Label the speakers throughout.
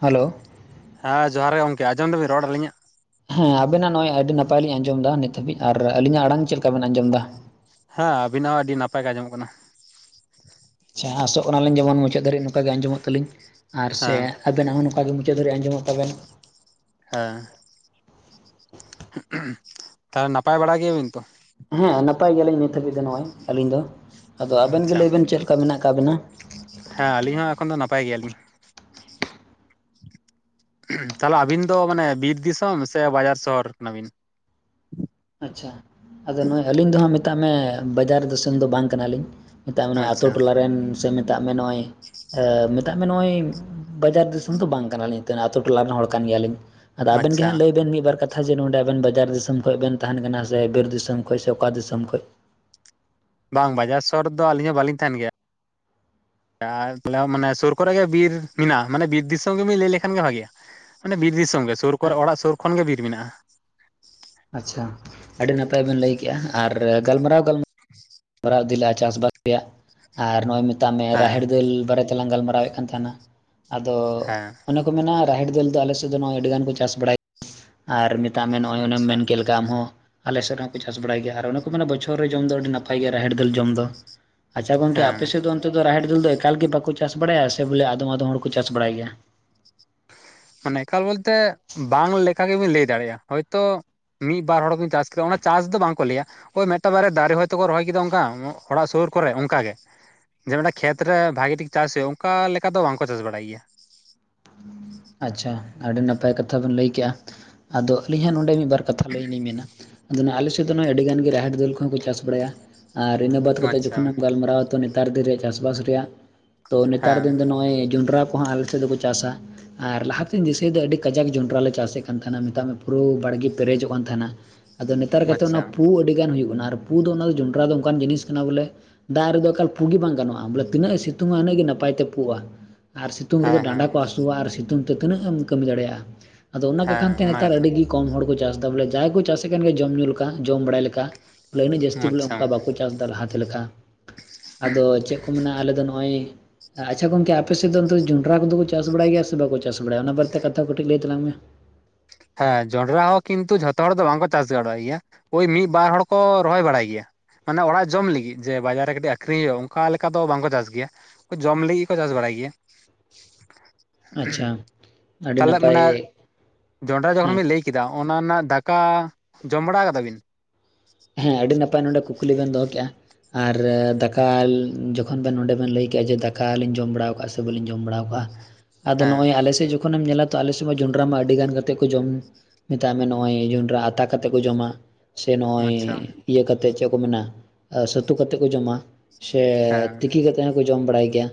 Speaker 1: Hello.
Speaker 2: ᱦᱮᱸ ᱡᱚᱦᱟᱨ ᱜᱮ ᱜᱚᱢᱠᱮ ᱟᱸᱡᱚᱢ ᱫᱚᱵᱤᱱ ᱨᱚᱲ ᱟᱹᱞᱤᱧᱟ?
Speaker 1: ᱦᱮᱸ ᱟᱵᱮᱱᱟᱜ ᱱᱚᱜᱼᱭ ᱟᱹᱰᱤ ᱱᱟᱯᱟᱭᱞᱤᱧ ᱟᱸᱡᱚᱢ ᱮᱫᱟ ᱱᱤᱛ ᱫᱷᱟᱹᱵᱤᱡ ᱟᱨ ᱟᱹᱞᱤᱧᱟᱜ ᱟᱲᱟᱝ ᱪᱮᱫ ᱞᱮᱠᱟ ᱵᱤᱱ ᱟᱸᱡᱚᱢ ᱮᱫᱟ?
Speaker 2: ᱦᱮᱸ ᱟᱵᱤᱱᱟᱜ ᱦᱚᱸ ᱟᱹᱰᱤ ᱱᱟᱯᱟᱭ ᱜᱮ ᱟᱸᱡᱚᱢᱚᱜ ᱠᱟᱱᱟ᱾
Speaker 1: ᱟᱪᱪᱷᱟ ᱟᱥᱚᱜ ᱠᱟᱱᱟᱞᱤᱧ ᱡᱮᱢᱚᱱ ᱢᱩᱪᱟᱹᱫ ᱫᱷᱟᱹᱨᱤᱡ ᱱᱚᱝᱠᱟ ᱜᱮ ᱟᱸᱡᱚᱢᱚᱜ ᱛᱟᱹᱞᱤᱧ, ᱟᱨ ᱥᱮ
Speaker 2: ᱦᱮᱸ
Speaker 1: ᱟᱵᱱᱟᱜ ᱦᱚᱸ ᱱᱚᱝᱠᱟ ᱜᱮ ᱢᱩᱪᱟᱹᱫ ᱫᱷᱟᱹᱨᱤᱡ ᱟᱸᱡᱚᱢᱚᱜ ᱛᱟᱵᱮᱱ᱾
Speaker 2: ᱦᱮᱸ ᱛᱟᱦᱚᱞᱮ ᱱᱟᱯᱟᱭ ᱵᱟᱲᱟ ᱜᱮᱭᱟᱵᱤᱱ ᱛᱚ?
Speaker 1: ᱦᱮᱸ ᱱᱟᱯᱟᱭ ᱜᱮᱭᱟᱞᱤᱧ ᱱᱤᱛ ᱦᱟᱹᱵᱤᱡ ᱫᱚ ᱱᱚᱜᱼᱚᱭ ᱟᱹᱞᱤᱧ ᱫᱚ, ᱟᱫᱚ ᱟᱵᱮᱱ ᱜᱮ
Speaker 2: ᱟᱪᱪᱷᱟ
Speaker 1: ᱞᱟᱹᱭ ᱵᱮᱱ ᱪᱮᱫ ᱞᱮᱠᱟ ᱢᱮᱱᱟᱜ ᱟᱠᱟᱜ ᱵᱮᱱᱟ?
Speaker 2: ᱦᱮᱸ ᱟᱹᱞᱤᱧ ᱦᱚᱸ ᱮᱠᱷᱚᱱ ᱫᱚ ᱱᱟᱯᱟᱭ ᱜᱮᱭᱟᱞᱤᱧ᱾ ᱛᱟᱦᱚᱞᱮ ᱟᱹᱵᱤᱱ ᱫᱚ ᱢᱟᱱᱮ ᱵᱤᱨ ᱫᱤᱥᱚᱢ ᱥᱮ ᱵᱟᱡᱟᱨ ᱥᱚᱦᱚᱨ ᱠᱟᱱᱟ ᱵᱤᱱ?
Speaker 1: ᱟᱪᱪᱷᱟ, ᱟᱫᱚ ᱱᱚᱜᱼᱚᱭ ᱟᱹᱞᱤᱧ ᱫᱚ ᱦᱟᱸᱜ ᱢᱮᱛᱟᱜ ᱢᱮ ᱵᱟᱡᱟᱨ ᱫᱤᱥᱚᱢ ᱫᱚ ᱵᱟᱝ ᱠᱟᱱᱟᱞᱤᱧ᱾ ᱢᱮᱛᱟᱜ ᱢᱮ ᱱᱚᱜᱼᱚᱭ ᱟᱛᱳ
Speaker 2: ᱟᱪᱪᱷᱟ
Speaker 1: ᱴᱚᱞᱟᱨᱮᱱ ᱥᱮ ᱢᱮᱛᱟᱜ ᱢᱮ ᱱᱚᱜᱼᱚᱭ ᱢᱮᱛᱟᱜ ᱢᱮ ᱱᱚᱜᱼᱚᱭ ᱵᱟᱡᱟᱨ ᱫᱤᱥᱚᱢ ᱫᱚ ᱵᱟᱝ ᱠᱟᱱᱟᱞᱤᱧᱹ ᱟᱛᱳ ᱴᱚᱞᱟ ᱨᱮᱱ ᱦᱚᱲ ᱠᱟᱱ ᱜᱮᱭᱟᱞᱤᱧ᱾ ᱟᱫᱚ ᱟᱵᱮᱱ ᱜᱮ
Speaker 2: ᱟᱪᱪᱷᱟ
Speaker 1: ᱦᱟᱸᱜ ᱞᱟᱹᱭ ᱵᱮᱱ ᱢᱤᱫᱵᱟᱨ ᱠᱟᱛᱷᱟ ᱡᱮ ᱱᱚᱰᱮ ᱟᱵᱮᱱ ᱵᱟᱡᱟᱨ ᱫᱤᱥᱚᱢ ᱠᱷᱚᱱ ᱵᱮᱱ ᱛᱟᱦᱮᱱ ᱠᱟᱱᱟ ᱥᱮ ᱵᱤᱨ ᱫᱤᱥᱚᱢ ᱠᱷᱚᱡ ᱥᱮ ᱚᱠᱟ ᱫᱤᱥᱚᱢ ᱠᱷᱚᱡ?
Speaker 2: ᱵᱟᱝ ᱵᱟᱡᱟᱨ ᱥᱚᱦᱚᱨ ᱫᱚ ᱟᱹᱞᱤᱧ ᱦᱚᱸ ᱵᱟᱞᱤᱧ ᱛᱟᱦᱮᱱ ᱜᱮᱭᱟ᱾ ᱛᱟᱦᱚᱞᱮ ᱢᱟᱱᱮ ᱥᱩᱨ ᱠᱚᱨᱮ ᱜᱮ ᱵᱤᱨ ᱢᱮᱱᱟᱜᱼᱟ ᱢᱟᱱᱮ ᱵᱤᱨ ᱫᱤᱥᱚᱢ ᱜᱮᱵᱤᱱ ᱞᱟᱹᱭ ᱞᱮᱠᱷᱟᱱ ᱜᱮ ᱵᱷᱟᱜᱮᱭᱼᱟ᱾ ᱢᱟᱱᱮ ᱵᱤᱨ ᱫᱤᱥᱚᱢ ᱜᱮ ᱥᱩᱨ ᱠᱚᱨᱮ ᱚᱲᱟᱜ ᱥᱩᱨ ᱠᱷᱚᱱ ᱜᱮ ᱵᱤᱨ ᱢᱮᱱᱟᱜᱼᱟ᱾
Speaker 1: ᱟᱪᱪᱷᱟ, ᱟᱹᱰᱤ ᱱᱟᱯᱟᱭ ᱵᱮᱱ ᱞᱟᱹᱭ ᱠᱮᱜᱼᱟ ᱟᱨ ᱜᱟᱞᱢᱟᱨᱟᱣ ᱜᱟᱞᱢᱟᱨᱟᱣ ᱢᱟᱨᱟᱣ ᱤᱫᱤᱞᱟᱼᱟ ᱪᱟᱥᱵᱟᱥ ᱨᱮᱭᱟᱜ ᱟᱨ ᱱᱚᱜᱼᱚᱭ ᱢᱮᱛᱟᱜ ᱢᱮ
Speaker 2: ᱦᱮᱸ
Speaker 1: ᱨᱟᱦᱮᱲ ᱫᱟᱹᱞ ᱵᱟᱨᱮᱛᱮ ᱞᱟᱝ ᱜᱟᱞᱢᱟᱨᱟᱣᱮ ᱠᱟᱱ ᱛᱟᱦᱮᱸᱱᱟ,
Speaker 2: ᱦᱮᱸ
Speaker 1: ᱟᱫᱚ ᱢᱮᱱᱟ ᱨᱟᱦᱮᱲ ᱫᱟᱹᱞ ᱫᱚ ᱟᱞᱮ ᱥᱮᱫ ᱫᱚ ᱱᱚᱜ ᱟᱹᱰᱤ ᱜᱟᱱ ᱠᱚ ᱪᱟᱥ ᱵᱟᱲᱟᱭᱟ᱾ ᱟᱨ ᱱᱚᱜᱼᱚᱭ
Speaker 2: ᱟᱪᱪᱷᱟ
Speaker 1: ᱢᱮᱱ ᱠᱮᱫ ᱞᱮᱠᱟ ᱟᱢ ᱦᱚᱸ ᱟᱞᱮ ᱥᱮᱫ ᱨᱮᱦᱠᱚ ᱪᱟᱥ ᱵᱟᱲᱟᱭ ᱜᱮᱭᱟ ᱟᱨ ᱚᱱᱮ ᱠᱚ ᱢᱮᱱᱟ ᱵᱚᱪᱷᱚᱨ ᱨᱮ ᱡᱚᱢ ᱫᱚ ᱟᱹᱰᱤ ᱱᱟᱯᱟᱭ ᱱᱟᱯᱟᱭ ᱜᱮ ᱨᱟᱦᱮᱲ ᱫᱟᱹᱞ ᱡᱚᱢ ᱫᱚ᱾ ᱟᱪᱪᱷᱟ ᱜᱚᱝᱠᱮ
Speaker 2: ᱦᱮᱸ
Speaker 1: ᱟᱯᱮ ᱥᱮᱫ ᱫᱚ ᱚᱱᱛᱮ ᱨᱟᱦᱮᱲ ᱫᱟᱹᱞ ᱫᱚ ᱮᱠᱟᱞ ᱜᱮ ᱵᱟᱠᱚ ᱪᱟᱥ ᱵᱟᱲᱟᱭᱟ ᱥᱮ ᱵᱚᱞᱮ ᱟᱫᱚᱢ ᱟᱫᱚᱢ ᱦᱚᱲ ᱠᱚ ᱪᱟᱥ ᱵᱟᱲᱟᱭ ᱜᱮᱭᱟ᱾
Speaker 2: ᱢᱟᱱᱮ ᱮᱠᱟᱞ ᱵᱚᱞᱛᱮ ᱵᱟᱝ ᱞᱮᱠᱟ ᱜᱮᱵᱤᱱ ᱞᱟᱹᱭ ᱫᱟᱲᱮᱭᱟᱜᱼᱟ, ᱦᱚᱭᱛᱚ ᱢᱤᱫ ᱵᱟᱨ ᱦᱚᱲ ᱠᱚ ᱪᱟᱥ ᱠᱮᱫᱟ ᱚᱱᱟ ᱪᱟᱥ ᱫᱚ ᱵᱟᱝᱠᱚ ᱞᱟᱹᱭᱟ ᱚᱠᱚᱭ ᱢᱤᱫᱴᱟᱝ ᱵᱟᱨᱭᱟ ᱫᱟᱨᱮ ᱦᱚᱭ ᱛᱚᱠᱚ ᱨᱚᱦᱚᱭ ᱠᱮᱫᱟ ᱚᱱᱠᱟ ᱚᱲᱟᱜ ᱥᱩᱨ ᱠᱚᱨᱮ ᱚᱱᱠᱟ ᱜᱮ᱾ ᱡᱮ ᱢᱤᱫᱴᱟᱝ ᱠᱷᱮᱛ ᱨᱮ ᱵᱷᱟᱜᱤ ᱴᱷᱤᱠ ᱪᱟᱥ ᱦᱩᱭᱩᱜᱼᱟ ᱚᱱᱠᱟ ᱞᱮᱠᱟ ᱫᱚ ᱵᱟᱝᱠᱚ ᱪᱟᱥ ᱵᱟᱲᱟᱭ ᱜᱮᱭᱟ᱾
Speaker 1: ᱟᱪᱪᱷᱟ ᱟᱹᱰᱤ ᱱᱟᱯᱟᱭ ᱠᱟᱛᱷᱟ ᱵᱮᱱ ᱞᱟᱹᱭ ᱠᱮᱜᱼᱟ ᱟᱫᱚ ᱟᱹᱞᱤᱧ ᱦᱚᱜ ᱱᱚᱰᱮ ᱢᱤᱫᱵᱟᱨ ᱠᱟᱛᱷᱟ ᱞᱟᱹᱭ ᱞᱤᱧ ᱢᱮᱱᱟ ᱟᱫᱚ ᱟᱞᱮ ᱥᱮᱫ ᱫᱚ ᱟᱹᱰᱤ ᱜᱟᱱ ᱜᱮ ᱨᱟᱦᱮᱲ ᱫᱟᱹᱞ ᱠᱚᱦᱚᱸ ᱠᱚ ᱪᱟᱥ ᱵᱟᱲᱟᱭᱟ᱾ ᱟᱨ ᱤᱱᱟᱹ ᱵᱟᱫ ᱠᱟᱛᱮᱫ
Speaker 2: ᱟᱪᱪᱷᱟ
Speaker 1: ᱡᱚᱠᱷᱚᱱᱮᱢ ᱜᱟᱞᱢᱟᱨᱟ ᱟᱛᱚ ᱱᱮᱛᱟᱨ ᱫᱤᱱ ᱨᱮᱭᱟᱜ ᱪᱟᱥᱵᱟᱥ ᱨᱮᱭᱟᱜ ᱛᱚ ᱱᱮᱛᱟᱨ
Speaker 2: ᱦᱮᱸ
Speaker 1: ᱫᱤᱱ ᱫᱚ ᱱᱚᱜᱼᱚᱭ ᱡᱚᱸᱰᱨᱟ ᱠᱚᱦᱚᱸ ᱟᱞᱮᱥᱮᱫ ᱫᱚᱠᱚ ᱪᱟᱥᱟ᱾ ᱟᱨ ᱞᱟᱦᱟᱛᱮ ᱫᱤᱥᱟᱹᱭ ᱫᱚ ᱟᱹᱰᱤ ᱠᱟᱡᱟᱠ ᱡᱚᱸᱰᱨᱟ ᱞᱮ ᱪᱟᱥᱮᱫ ᱠᱟᱱ ᱛᱟᱦᱮᱱᱟ ᱢᱮᱛᱟᱜ ᱢᱮ ᱯᱩᱨᱟᱹ ᱵᱟᱲᱜᱮ ᱯᱮᱨᱮᱡᱚᱜ ᱠᱟᱱ ᱛᱟᱦᱮᱱᱟ᱾ ᱟᱫᱚ ᱱᱮᱛᱟᱨ ᱠᱟᱛᱮᱫ ᱚᱱᱟ
Speaker 2: ᱟᱪᱪᱷᱟ
Speaker 1: ᱯᱩ ᱟᱹᱰᱤ ᱜᱟᱱ ᱦᱩᱭᱩᱜ ᱠᱟᱱᱟ ᱟᱨ ᱯᱩ ᱫᱚ ᱚᱱᱟ ᱫᱚ ᱡᱚᱱᱰᱨᱟ ᱫᱚ ᱚᱱᱠᱟᱱ ᱡᱤᱱᱤᱥ ᱠᱟᱱᱟ ᱵᱚᱞᱮᱼᱼ ᱫᱟᱜ ᱨᱮᱫᱚ ᱮᱠᱟᱞ ᱯᱩᱜ ᱜᱮ ᱵᱟᱝ ᱜᱟᱱᱚᱜᱼᱟ ᱵᱚᱞᱮ ᱛᱤᱱᱟᱹᱜ ᱮ ᱥᱤᱛᱩᱝᱼᱟ ᱩᱱᱟᱹᱜ ᱜᱮ ᱱᱟᱯᱟᱭ ᱛᱮ ᱯᱩᱜᱼᱟ᱾ ᱟᱨ ᱥᱤᱛᱩᱝ ᱨᱮᱫᱚ
Speaker 2: ᱦᱮᱸ ᱦᱮᱸ
Speaker 1: ᱰᱟᱸᱰᱟ ᱠᱚ ᱦᱟᱹᱥᱩᱣᱟ ᱟᱨ ᱥᱤᱛᱩᱝ ᱛᱮ ᱛᱤᱱᱟᱹᱜ ᱮᱢ ᱠᱟᱹᱢᱤ ᱫᱟᱲᱮᱭᱟᱜᱼᱟ ᱟᱫᱚ ᱚᱱᱟ ᱠᱚᱠᱷᱟᱱ ᱛᱮ
Speaker 2: ᱦᱮᱸ ᱚᱱᱟ
Speaker 1: ᱱᱮᱛᱟᱨ
Speaker 2: ᱜᱮᱛᱚ
Speaker 1: ᱟᱹᱰᱤᱜᱤᱼᱼ ᱠᱚᱢ ᱦᱚᱲ ᱠᱚ ᱪᱟᱥ ᱮᱫᱟ ᱵᱚᱞᱮ ᱡᱟᱦᱟᱸᱭ ᱠᱚ ᱪᱟᱥᱮᱫ ᱠᱟᱱ ᱜᱮ ᱡᱚᱢ ᱧᱩ ᱞᱮᱠᱟ ᱡᱚᱢ ᱵᱟᱲᱟᱭ ᱞᱮᱠᱟ ᱵᱚᱞᱮ ᱩᱱᱟᱹᱜ ᱡᱟᱹᱥᱛᱤ ᱵᱚᱞᱮ
Speaker 2: ᱟᱪᱪᱷᱟ
Speaker 1: ᱚᱱᱠᱟ ᱵᱟᱠᱚᱼᱼ ᱫᱟᱨᱦᱟ ᱛᱮ ᱞᱮᱠᱟ ᱟᱫᱚ ᱪᱮᱫᱼᱼ ᱟᱞᱮ ᱫᱚ ᱱᱚᱜᱚᱭ ᱟᱪᱪᱷᱟ ᱜᱚᱝᱠᱮ ᱟᱯᱮᱥᱮᱫ ᱫᱚ ᱡᱚᱱᱰᱚᱨᱟ ᱠᱚᱫᱚ ᱠᱚ ᱪᱟᱥ ᱵᱟᱲᱟᱭ ᱜᱮᱭᱟ ᱥᱮ ᱵᱟᱠᱚ ᱪᱟᱼᱼ ᱪᱟᱥ ᱵᱟᱲᱟᱭ ᱚᱱᱟ ᱵᱟᱨᱛᱮ ᱠᱟᱛᱷᱟ ᱠᱚᱴᱤᱡ ᱞᱟᱹᱭ ᱛᱟᱞᱟᱝ ᱢᱮ?
Speaker 2: ᱦᱮᱸ ᱡᱚᱱᱰᱨᱟ ᱦᱚᱸ ᱠᱤᱱᱛᱩ ᱡᱷᱚᱛᱚ ᱦᱚᱲ ᱫᱚ ᱵᱟᱝᱠᱚ ᱪᱟᱥ ᱜᱟᱲᱚᱜᱮᱭᱟ᱾ ᱳᱭ ᱢᱤᱫ ᱵᱟᱨ ᱦᱚᱲ ᱠᱚ ᱨᱚᱦᱚᱭ ᱵᱟᱲᱟᱭ ᱜᱮᱭᱟ᱾ ᱢᱟᱱᱮ ᱚᱲᱟᱜ ᱡᱚᱢ ᱞᱤᱜᱤᱫ ᱡᱮ ᱵᱟᱡᱟᱨ ᱨᱮ ᱠᱟᱹᱴᱤᱡ ᱟᱠᱷᱨᱤᱧ ᱦᱩᱭᱩᱜᱼᱟ ᱚᱱᱠᱟ ᱞᱮᱠᱟ ᱫᱚ ᱵᱟᱝᱠᱚ ᱪᱟᱥ ᱜᱮᱭᱟ᱾ ᱡᱚᱢ ᱞᱤᱜᱤᱫ ᱠᱚ ᱪᱟᱥ ᱵᱟᱲᱟᱭ ᱜᱮᱭᱟ
Speaker 1: ᱟᱪᱪᱷᱟ ᱟᱹᱰᱤ
Speaker 2: ᱛᱟᱦᱚᱞᱮ
Speaker 1: ᱱᱟᱯᱟᱭ
Speaker 2: ᱢᱟᱱᱮ ᱡᱚᱱᱰᱨᱟ ᱡᱚᱠᱷᱚᱱ
Speaker 1: ᱦᱮᱸ
Speaker 2: ᱵᱤᱱ ᱞᱟᱹᱭ ᱠᱮᱫᱟ ᱚᱱᱟ ᱨᱮᱱᱟᱜ ᱫᱟᱠᱟ ᱡᱚᱢ ᱵᱟᱲᱟ ᱟᱠᱟᱫᱟ ᱵᱤᱱ?
Speaker 1: ᱦᱮᱸ ᱟᱹᱰᱤ ᱱᱟᱯᱟᱭ ᱱᱚᱰᱮ ᱠᱩᱠᱞᱤ ᱵᱮᱱ ᱫᱚᱦᱚ ᱠᱮᱼᱟ ᱟᱨ ᱫᱟᱠᱟ ᱡᱚᱠᱷᱚᱼᱼ ᱛᱚᱠᱷᱚᱱ ᱫᱚ ᱱᱚᱰᱮ ᱵᱮᱱ ᱞᱟᱹᱭ ᱠᱮᱜᱼᱟ ᱡᱮ ᱫᱟᱠᱟᱞᱤᱧ ᱡᱚᱢ ᱵᱟᱲᱟᱣ ᱠᱟᱜᱼᱟ ᱥᱮ ᱵᱟᱹᱞᱤᱧ ᱡᱚᱢ ᱵᱟᱲᱟᱣ ᱠᱟᱜᱼᱟ᱾ ᱟᱫᱚ ᱱᱚᱜ
Speaker 2: ᱦᱮᱸ
Speaker 1: ᱚᱭ ᱟᱞᱮ ᱥᱮᱫ ᱡᱚᱠᱷᱚᱱ ᱮᱢ ᱧᱮᱞᱟᱫᱼᱼ ᱛᱚ ᱟᱞᱮᱥᱮᱫ ᱢᱟ ᱡᱚᱸᱰᱨᱟ ᱢᱟ ᱟᱹᱰᱤ ᱜᱟᱱ ᱠᱟᱛᱮᱫ ᱠᱚ ᱡᱚᱢ ᱢᱮᱛᱟᱜ ᱢᱮ ᱱᱚᱜ ᱚᱭ ᱡᱚᱸᱰᱨᱟ ᱟᱛᱟ ᱠᱟᱛᱮᱫ ᱠᱚ ᱡᱚᱢᱟ᱾ ᱥᱮ ᱱᱚᱜᱼᱚᱭᱼᱼ
Speaker 2: ᱟᱪᱪᱷᱟ
Speaker 1: ᱤᱭᱟᱹ ᱠᱟᱛᱮᱫ ᱪᱮᱫ ᱠᱚ ᱢᱮᱱᱟ ᱥᱟᱹᱛᱩ ᱠᱟᱛᱮᱫ ᱠᱚ ᱡᱚᱢᱟ ᱥᱮ
Speaker 2: ᱦᱮᱸ
Speaker 1: ᱛᱤᱠᱤ ᱠᱟᱛᱮᱫᱼᱼ ᱛᱮ ᱠᱚ ᱡᱚᱢ ᱵᱟᱲᱟᱭ ᱜᱮᱭᱟ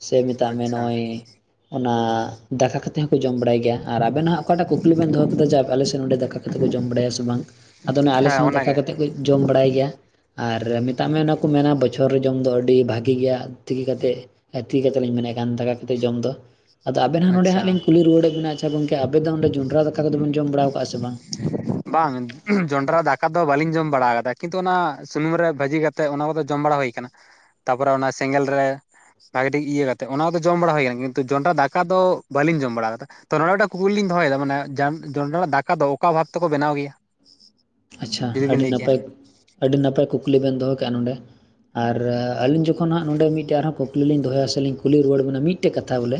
Speaker 1: ᱥᱮ ᱢᱮᱛᱟᱜ ᱢᱮ
Speaker 2: ᱟᱪᱪᱷᱟ
Speaker 1: ᱱᱚᱜᱚᱭ ᱚᱱᱟ ᱫᱟᱠᱟ ᱠᱟᱛᱮᱼᱼ ᱛᱮᱦᱚᱸᱠᱚ ᱡᱚᱢ ᱵᱟᱲᱟᱭ ᱜᱮᱭᱟ ᱟᱨ ᱟᱵᱮᱱ ᱦᱟᱜ ᱚᱠᱟᱴᱟᱜ ᱠᱩᱠᱞᱤ ᱵᱮᱱ ᱫᱚᱦᱚ ᱠᱮᱫᱟ ᱡᱮ ᱟᱞᱮᱥᱮᱫ ᱱᱚᱸᱰᱮ ᱫᱟᱠᱟ ᱠᱟ ᱠᱟᱛᱮᱫ ᱠᱚ ᱡᱚᱢ ᱵᱟᱲᱟᱭᱟ ᱥᱮ ᱵᱟᱝ? ᱟᱫᱚ ᱱᱟᱜ
Speaker 2: ᱦᱮᱸ
Speaker 1: ᱟᱞᱮᱥᱮᱼᱼ
Speaker 2: ᱚᱱᱟᱜᱮ
Speaker 1: ᱠᱟᱛᱮᱫ ᱠᱚ ᱡᱚᱢ ᱵᱟᱲᱟᱭ ᱜᱮᱭᱟ ᱟᱨ ᱢᱮᱛᱟᱜ ᱢᱮ ᱚᱱᱟ ᱠᱚ ᱢᱮᱱᱟ ᱵᱚᱪᱷᱚᱨ ᱨᱮ ᱡᱚᱢ ᱫᱚ ᱟᱹᱰᱤ ᱵᱷᱟᱜᱮ ᱜᱮᱭᱟ, ᱛᱤᱠᱤ ᱠᱟᱛᱮᱫ ᱛᱤ ᱠᱟᱛᱮᱫ ᱞᱤᱧ ᱢᱮᱱᱮᱫ ᱠᱟᱱᱟ ᱫᱟᱠᱟ ᱠᱟᱛᱮᱫ ᱡᱚᱢ ᱫᱚ᱾ ᱟᱫᱚ ᱟᱵᱮᱱ ᱦᱚᱸ ᱱᱚᱰᱮ
Speaker 2: ᱟᱪᱪᱷᱟ
Speaker 1: ᱦᱟᱜ ᱞᱤᱧ ᱠᱩᱞᱤ ᱨᱩᱣᱟᱹᱲᱮᱫ ᱵᱮᱱᱟ ᱟᱪᱷᱟ ᱜᱚᱝᱠᱮ ᱟᱵᱮᱫᱚ ᱱᱚᱰᱮ ᱡᱚᱱᱰᱨᱟ ᱫᱟᱠᱟ ᱫᱚ ᱵᱮᱱ ᱡᱚᱢ ᱵᱟᱲᱟ ᱠᱟᱜᱼᱟ ᱥᱮ ᱵᱟᱝ?
Speaker 2: ᱵᱟᱝ ᱡᱚᱱᱰᱨᱟ ᱫᱟᱠᱟ ᱫᱚ ᱵᱟᱹᱞᱤᱧ ᱡᱚᱢ ᱵᱟᱲᱟ ᱠᱟᱫᱟ ᱠᱤᱱᱛᱩ ᱚᱱᱟ ᱥᱩᱱᱩᱢ ᱨᱮ ᱵᱷᱟᱹᱡᱤ ᱠᱟᱛᱮᱫ ᱚᱱᱟ ᱠᱚᱫᱚ ᱡᱚᱢ ᱵᱟᱲᱟ ᱦᱩᱭ ᱠᱟᱱᱟ, ᱛᱟᱯᱚᱨᱮ ᱚᱱᱟ ᱥᱮᱸᱜᱮᱞ ᱨᱮ ᱵᱷᱟᱜᱤ ᱴᱷᱤᱠ ᱤᱭᱟᱹ ᱠᱟᱛᱮ ᱚᱱᱟ ᱠᱚᱫᱚ ᱡᱚᱢ ᱵᱟᱲᱟ ᱦᱩᱭ ᱟᱠᱟᱱᱟ ᱠᱤᱱᱛᱩ ᱡᱚᱱᱰᱨᱟ ᱫᱟᱜᱼᱼ ᱫᱟᱠᱟ ᱫᱚ ᱵᱟᱹᱞᱤᱧ ᱡᱚᱢ ᱵᱟᱲᱟ ᱟᱠᱟᱫᱟ᱾ ᱛᱚ ᱱᱚᱸᱰᱮ ᱢᱤᱫᱴᱟᱜ ᱠᱩᱠᱞᱤ ᱞᱤᱧ ᱫᱚᱦᱚᱭᱮᱫᱟ ᱢᱟᱱᱮ ᱡᱚᱱᱰᱨᱟ ᱫᱟᱠᱟ ᱫᱚ ᱚᱠᱟ ᱵᱷᱟᱵᱽ ᱛᱮᱠᱚ ᱵᱮᱱᱟᱣ ᱜᱮᱭᱟ?
Speaker 1: ᱟᱪᱪᱷᱟ
Speaker 2: ᱡᱩᱫᱤ ᱵᱤᱱ
Speaker 1: ᱟᱹᱰᱤ
Speaker 2: ᱞᱟᱹᱭ ᱠᱮᱭᱟ
Speaker 1: ᱱᱟᱯᱟᱭ ᱟᱹᱰᱤ ᱱᱟᱯᱟᱭ ᱠᱩᱠᱞᱤ ᱵᱮᱱ ᱫᱚᱦᱚ ᱠᱮᱜᱼᱟ ᱱᱚᱰᱮᱼ ᱟᱨ ᱟᱹᱞᱤᱧ ᱡᱚᱠᱷᱚᱱ ᱦᱟᱸᱜ ᱱᱚᱰᱮ ᱢᱤᱫᱴᱮᱡ ᱟᱨᱦᱚᱸ ᱠᱩᱠᱞᱤ ᱞᱤᱧ ᱫᱚᱦᱚᱭᱟ ᱥᱮ ᱞᱤᱧ ᱠᱩᱞᱤ ᱨᱩᱣᱟᱹᱲ ᱵᱮᱱᱟ ᱢᱤᱫᱴᱮᱡ ᱠᱟᱛᱷᱟ ᱵᱚᱞᱮ?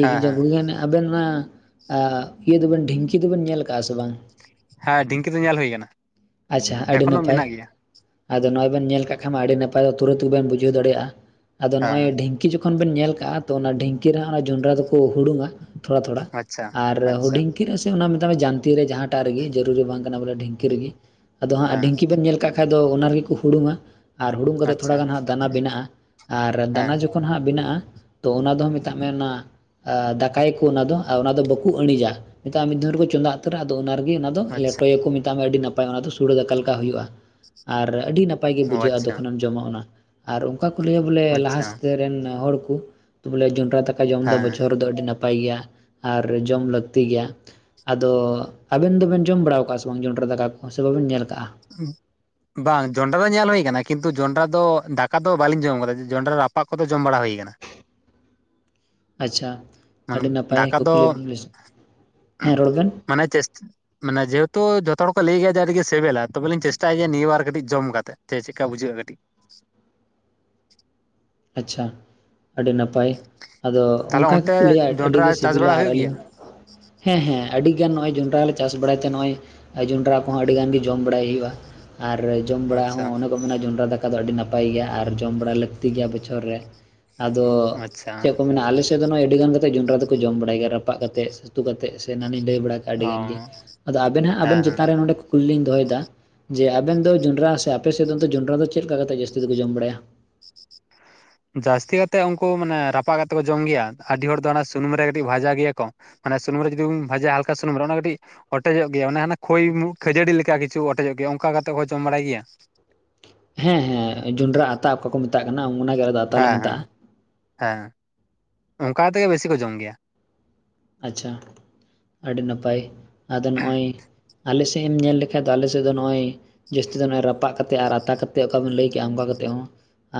Speaker 2: ᱦᱮᱸ ᱦᱮᱸ
Speaker 1: ᱟᱵᱮᱱ ᱚᱱᱟ ᱤᱭᱟᱹ ᱫᱚᱵᱮᱱ ᱰᱷᱤᱝ ᱠᱤ ᱫᱚᱵᱮᱱ ᱧᱮᱞ ᱟᱠᱟᱫᱼᱟ ᱥᱮ ᱵᱟᱝ?
Speaker 2: ᱦᱮᱸ ᱰᱷᱤᱝ ᱠᱤ ᱫᱚ ᱧᱮᱞ ᱦᱩᱭᱠᱟᱱᱟ᱾
Speaker 1: ᱟᱪᱪᱷᱟ ᱟᱹᱰᱤ ᱱᱟᱯᱟᱭ᱾ ᱟᱫᱚ ᱱᱚᱜᱚᱭ ᱵᱮᱱ ᱧᱮᱞ ᱠᱟᱜ ᱠᱷᱟᱱ ᱢᱟ ᱟᱹᱰᱤ ᱱᱟᱯᱟᱭ ᱛᱩᱨᱟᱹᱛ ᱜᱮᱵᱮᱱ ᱵᱩᱡᱷᱟᱹᱣ ᱫᱟᱲᱮ ᱭᱟᱜᱼᱟ ᱟᱫᱚ
Speaker 2: ᱦᱮᱸ
Speaker 1: ᱱᱚᱜᱼᱚᱭ ᱰᱷᱤᱝᱼᱼ ᱰᱷᱤᱸᱝ ᱠᱤ ᱡᱚᱠᱷᱚᱱ ᱵᱮᱱ ᱧᱮᱞ ᱠᱟᱜᱼᱟ ᱛᱚ ᱚᱱᱟ ᱰᱷᱤᱝᱠᱤ ᱨᱮ ᱚᱱᱟ ᱡᱚᱸᱰᱨᱟ ᱫᱚᱠᱚ ᱦᱩᱲᱩᱝᱼᱟ᱾ ᱛᱷᱚᱲᱟ ᱛᱷᱚᱲᱟ
Speaker 2: ᱟᱪᱪᱷᱟ
Speaker 1: ᱟᱨ
Speaker 2: ᱟᱪᱪᱷᱟ
Speaker 1: ᱦᱩᱰᱝᱼᱼ ᱥᱮ ᱚᱱᱟ ᱢᱮᱛᱟᱜ ᱢᱮ ᱡᱟᱱᱛᱤ ᱨᱮ ᱡᱟᱦᱟᱸᱴᱟᱜ ᱨᱮᱜᱮ ᱡᱟᱹᱨᱩᱨᱤ ᱵᱟᱝ ᱠᱟᱱᱟ ᱵᱚᱞᱮ ᱰᱷᱤᱝᱠᱤ ᱨᱤᱜᱤ ᱟᱫᱚ ᱦᱟᱸᱜ
Speaker 2: ᱦᱮᱸ
Speaker 1: ᱰᱷᱤᱝᱠᱤ ᱵᱮᱢ ᱧᱮᱞᱼᱼ ᱠᱟᱜ ᱠᱷᱟ ᱫᱚ ᱚᱱᱟ ᱨᱮᱜᱮ ᱠᱚ ᱦᱩᱝᱼᱟ ᱟᱨ ᱦᱩᱝ ᱠᱟᱛᱮ
Speaker 2: ᱟᱪᱪᱷᱟ
Speaker 1: ᱛᱷᱟᱟᱱ ᱫᱟᱱᱟ ᱵᱮᱱᱟᱜᱼᱟ ᱟᱨ
Speaker 2: ᱦᱮᱸ
Speaker 1: ᱫᱟᱱᱟ ᱡᱚᱠᱷᱼᱼ ᱛᱚᱠᱷᱟᱱ ᱦᱟᱸᱜ ᱵᱮᱱᱟᱜᱼᱟ ᱛᱚ ᱚᱱᱟ ᱫᱚ ᱦᱟᱸᱜ ᱢᱮᱛᱟᱜ ᱢᱮ ᱚᱱᱟᱼᱼ ᱫᱟᱠᱟᱭᱟᱠᱚ ᱚᱱᱟ ᱫᱚ ᱚᱱᱟ ᱫᱚ ᱵᱟᱠᱚ ᱤᱬᱤᱡᱟ ᱱᱮᱛᱟᱜ ᱢᱤᱫ ᱫᱷᱚᱢ ᱨᱮᱠᱚ ᱪᱚᱸᱫᱟ ᱩᱛᱟᱹᱨᱟ ᱟᱫᱚ ᱚᱱᱟ ᱨᱮᱜᱮᱼᱼ
Speaker 2: ᱟᱪᱪᱷᱟ
Speaker 1: ᱞᱮᱴᱚᱭᱟᱠᱚ ᱢᱮᱛᱟᱜ ᱢᱮ ᱟᱹᱰᱤ ᱱᱟᱯᱟᱭ ᱚᱱᱟ ᱫᱚ ᱥᱩᱲᱮ ᱫᱠᱟᱞ ᱞᱮᱠᱟ ᱦᱩᱭᱩᱜᱼᱟ᱾ ᱟᱨ ᱟᱹᱰᱤ ᱱᱟᱯᱟᱭ ᱜᱮ
Speaker 2: ᱚ
Speaker 1: ᱵᱩᱡᱷᱟᱹᱜᱼᱟ
Speaker 2: ᱟᱪᱪᱷᱟ
Speaker 1: ᱡᱚᱠᱷᱚᱱᱮᱢ ᱡᱚᱢᱟ ᱚᱱᱟ ᱟᱨᱼᱼ ᱚᱠᱟ ᱠᱚ ᱞᱟᱹᱭᱟ ᱵᱚᱞᱮ ᱞᱟᱦᱟ
Speaker 2: ᱟᱪᱪᱷᱟ
Speaker 1: ᱨᱮᱱ ᱦᱚᱲ ᱠᱚ ᱵᱚᱞᱮ ᱡᱚᱱᱰᱨᱟ ᱫᱟᱠᱟ ᱡᱚᱢ ᱫᱚ
Speaker 2: ᱦᱮᱸ
Speaker 1: ᱵᱚᱪᱷᱚᱨ ᱨᱮᱫᱚ ᱟᱹᱰᱤ ᱱᱟᱼᱼ ᱱᱟᱯᱟᱭ ᱜᱮᱭᱟ ᱟᱨ ᱡᱚᱢ ᱞᱟᱹᱠᱛᱤ ᱜᱮᱭᱟ᱾ ᱟᱫᱚ ᱟᱵᱮᱱ ᱫᱚᱵᱮᱱ ᱡᱚᱢ ᱵᱟᱲᱟᱣ ᱠᱟᱜᱼᱟ ᱥᱮ ᱵᱟᱝ ᱡᱚᱸᱰᱨᱟ ᱫᱟᱠᱟ ᱠᱚ ᱥᱮ ᱵᱟᱵᱮᱱ ᱧᱮᱞ ᱠᱟᱜᱼᱟ?
Speaker 2: ᱦᱮᱸ ᱵᱟᱝ ᱡᱚᱱᱰᱨᱟ ᱫᱚ ᱧᱮᱞ ᱦᱩᱭ ᱟᱠᱟᱱᱟ ᱠᱤᱱᱛᱩ ᱡᱚᱱᱰᱨᱟ ᱫᱚ ᱫᱟᱠᱟ ᱫᱚ ᱵᱟᱞᱤᱧ ᱡᱚᱢ ᱟᱠᱟᱫᱟ ᱡᱚᱱᱰᱨᱟ ᱨᱟᱯᱟᱜ ᱠᱚᱫᱚ ᱡᱚᱢ ᱵᱟᱲᱟ ᱦᱩᱭ ᱟᱠᱟᱱᱟ᱾
Speaker 1: ᱟᱪᱪᱷᱟ,
Speaker 2: ᱢᱟᱱᱮ
Speaker 1: ᱟᱹᱰᱤ ᱱᱟᱯᱟᱭ
Speaker 2: ᱫᱟᱠᱟ ᱫᱚ
Speaker 1: ᱠᱩᱠᱞᱤ ᱵᱤᱱ [unintelligible]
Speaker 2: ᱢᱟᱱᱮ ᱪᱮᱥ ᱢᱟᱱᱮ ᱡᱮᱦᱮᱛᱩ ᱡᱚᱛᱚ ᱦᱚᱲ ᱠᱚ ᱞᱟᱹᱭ ᱜᱮᱭᱟ ᱡᱮ ᱟᱰᱤᱜᱮ ᱥᱤᱵᱮᱞᱟ ᱾ ᱛᱚᱵᱮ ᱞᱤᱧ ᱪᱮᱥᱴᱟᱭᱟ ᱱᱤᱭᱩ ᱟᱨ ᱠᱟᱹᱴᱤᱡ ᱡᱚᱢ ᱠᱟᱛᱮ, ᱪᱮᱫ ᱪᱮᱠᱟ ᱵᱩᱡᱷᱟᱹᱜᱼᱟ ᱠᱟᱹᱴᱤᱡ ᱾
Speaker 1: ᱟᱪᱪᱷᱟ, ᱟᱹᱰᱤ ᱱᱟᱯᱟᱭ ᱟᱫᱚ
Speaker 2: ᱛᱟᱦᱚᱞᱮ
Speaker 1: ᱚᱱᱠᱟ
Speaker 2: ᱚᱱᱛᱮ
Speaker 1: ᱜᱮᱠᱚ ᱞᱟᱹᱭᱟ ᱟᱹᱰᱤ ᱜᱮ
Speaker 2: ᱡᱚᱱᱰᱨᱟ ᱪᱟᱥ
Speaker 1: ᱥᱤᱵᱤᱞᱟ,
Speaker 2: ᱵᱟᱲᱟ
Speaker 1: ᱟᱨ
Speaker 2: ᱦᱩᱭᱩᱜ ᱜᱮᱭᱟ
Speaker 1: ᱟᱹᱞᱤᱧ ᱦᱮᱸ ᱦᱮᱸ ᱟᱹᱰᱤ ᱜᱟᱱ ᱱᱚᱜᱼᱚᱭ ᱡᱚᱸᱱᱰᱨᱟ ᱞᱮ ᱪᱟᱥ ᱵᱟᱲᱟᱭ ᱛᱮ ᱱᱚᱜᱼᱚᱭ ᱡᱚᱸᱱᱰᱨᱟ ᱠᱚᱦᱚᱸ ᱟᱹᱰᱤ ᱜᱟᱱ ᱜᱮ ᱡᱚᱢ ᱵᱟᱲᱟᱭ ᱦᱩᱭᱩᱜᱼᱟ ᱾ ᱟᱨ ᱡᱚᱢ ᱵᱟᱲᱟ
Speaker 2: ᱟᱪᱪᱷᱟ
Speaker 1: ᱦᱚᱸ ᱚᱱᱮ ᱠᱚ ᱢᱮᱱᱟ ᱡᱚᱸᱱᱰᱨᱟ ᱫᱟᱠᱟ ᱫᱚ ᱟᱹᱰᱤ ᱱᱟᱯᱟᱭ ᱜᱮᱭᱟ, ᱟᱨ ᱡᱚᱢ ᱵᱟᱲᱟ ᱞᱟᱹᱠᱛᱤ ᱜᱮᱭᱟ ᱵᱚᱪᱷᱚᱨ ᱨᱮ ᱾ ᱟᱫᱚ,
Speaker 2: ᱟᱪᱪᱷᱟ
Speaker 1: ᱪᱮᱫ ᱠᱚ ᱢᱮᱱᱟ ᱟᱞᱮᱥ ᱫᱚ ᱱᱚᱜ ᱚᱭ ᱟᱹᱰᱤ ᱜᱟᱱ ᱠᱟᱛᱮ ᱡᱚᱸᱰᱨᱟ ᱫᱚᱠᱚ ᱡᱚᱢ ᱵᱟᱲᱟᱭ ᱜᱮᱭᱟ, ᱨᱟᱯᱟᱜ ᱠᱟᱛᱮ ᱩᱛᱩ ᱠᱟᱛᱮ ᱥᱮ ᱮᱱᱟᱱᱤᱧ ᱞᱟᱹᱭ ᱵᱟᱲᱟ ᱠᱮᱫᱟ ᱾ ᱟᱹᱰᱤ
Speaker 2: ᱚ
Speaker 1: ᱜᱟᱱ ᱜᱮ, ᱟᱫᱚ ᱟᱵᱮᱱ ᱦᱟᱸᱜ
Speaker 2: ᱦᱮᱸ
Speaker 1: ᱟᱵᱮᱱ
Speaker 2: ᱦᱮᱸ
Speaker 1: ᱪᱮᱛᱟᱱ ᱨᱮ ᱱᱚᱰᱮ ᱠᱩᱞᱤ ᱞᱤᱧ ᱫᱚᱦᱚᱭᱮᱫᱟ, ᱡᱮ ᱟᱵᱮᱱ ᱫᱚ ᱡᱚᱸᱰᱨᱟ ᱥᱮ ᱟᱯᱮ ᱥᱮᱫ ᱫᱚ ᱚᱱᱛᱮ ᱡᱚᱸᱰᱨᱟ ᱫᱚ ᱪᱮᱫ ᱞᱮᱠᱟ ᱠᱟᱛᱮ ᱡᱟᱹᱥᱛᱤ ᱫᱚᱠᱚ ᱡᱚᱢ ᱵᱟᱲᱟᱭᱟ?
Speaker 2: ᱡᱟᱹᱥᱛᱤ ᱠᱟᱛᱮᱫ ᱩᱱᱠᱩ ᱢᱟᱱᱮ ᱨᱟᱯᱟᱜ ᱠᱟᱛᱮ ᱠᱚ ᱡᱚᱢ ᱜᱮᱭᱟ ᱟᱹᱰᱤ ᱦᱚᱲ ᱫᱚ ᱚᱱᱟ ᱥᱩᱱᱩᱢ ᱨᱮ ᱠᱟᱹᱴᱤᱡ ᱵᱷᱟᱡᱟ ᱜᱮᱭᱟ ᱠᱚ ᱾ ᱢᱟᱱᱮ ᱥᱩᱱᱩᱢ ᱨᱮ ᱡᱩᱫᱤᱵᱤᱱ ᱵᱷᱟᱡᱟ ᱦᱟᱞᱠᱟ ᱥᱩᱱᱩᱢ ᱚᱱᱟ ᱠᱟᱹᱴᱤᱡ ᱚᱴᱮᱡᱚᱜ ᱜᱮᱭᱟ ᱚᱱᱮ ᱦᱟᱱᱮ ᱠᱷᱚᱭ ᱢᱩ ᱠᱷᱟᱹᱡᱟᱹᱲᱤ ᱞᱮᱠᱟ ᱠᱤᱪᱷᱩ ᱚᱴᱮᱡᱚᱜ ᱜᱮᱭᱟ ᱚᱱᱠᱟ ᱠᱟᱛᱮ ᱠᱚ ᱡᱚᱢ ᱵᱟᱲᱟᱭ ᱜᱮᱭᱟ ᱾
Speaker 1: ᱦᱮᱸ ᱦᱮᱸ ᱡᱚᱸᱱᱰᱨᱟ ᱟᱛᱟ ᱚᱠᱟ ᱠᱚ ᱢᱮᱛᱟᱜ ᱠᱟᱱᱟ ᱚᱱᱟ ᱜᱮ ᱟᱞᱮ ᱫᱚ ᱟᱛᱟ ᱞᱮ
Speaker 2: ᱦᱮᱸ ᱦᱮᱸ
Speaker 1: ᱢᱮᱛᱟᱜᱼᱟ
Speaker 2: ᱦᱮᱸ ᱚᱱᱠᱟ ᱛᱮᱜᱮ ᱵᱮᱥᱤ ᱠᱚ ᱡᱚᱢ ᱜᱮᱭᱟ ᱾
Speaker 1: ᱟᱪᱪᱷᱟ, ᱟᱹᱰᱤ ᱱᱟᱯᱟᱭ ᱟᱫᱚ ᱱᱚᱜᱼᱚᱭ ᱟᱞᱮᱥᱮᱫ ᱮᱢ ᱧᱮᱞ ᱞᱮᱠᱷᱷᱟᱡ ᱫᱚ ᱟᱞᱮᱥᱮᱫ ᱫᱚ ᱱᱚᱜᱼᱚᱭ, ᱡᱟᱹᱥᱛᱤ ᱫᱚ ᱱᱚᱜᱼᱚᱭ ᱨᱟᱯᱟᱜ ᱠᱟᱛᱮᱫ ᱟᱨ ᱟᱛᱟ ᱠᱟᱛᱮᱫ ᱚᱠᱟ ᱵᱮᱱ ᱞᱟᱹᱭ ᱠᱮᱜᱼᱟ ᱚᱱᱠᱟ ᱠᱟᱛᱮᱫ ᱦᱚᱸ,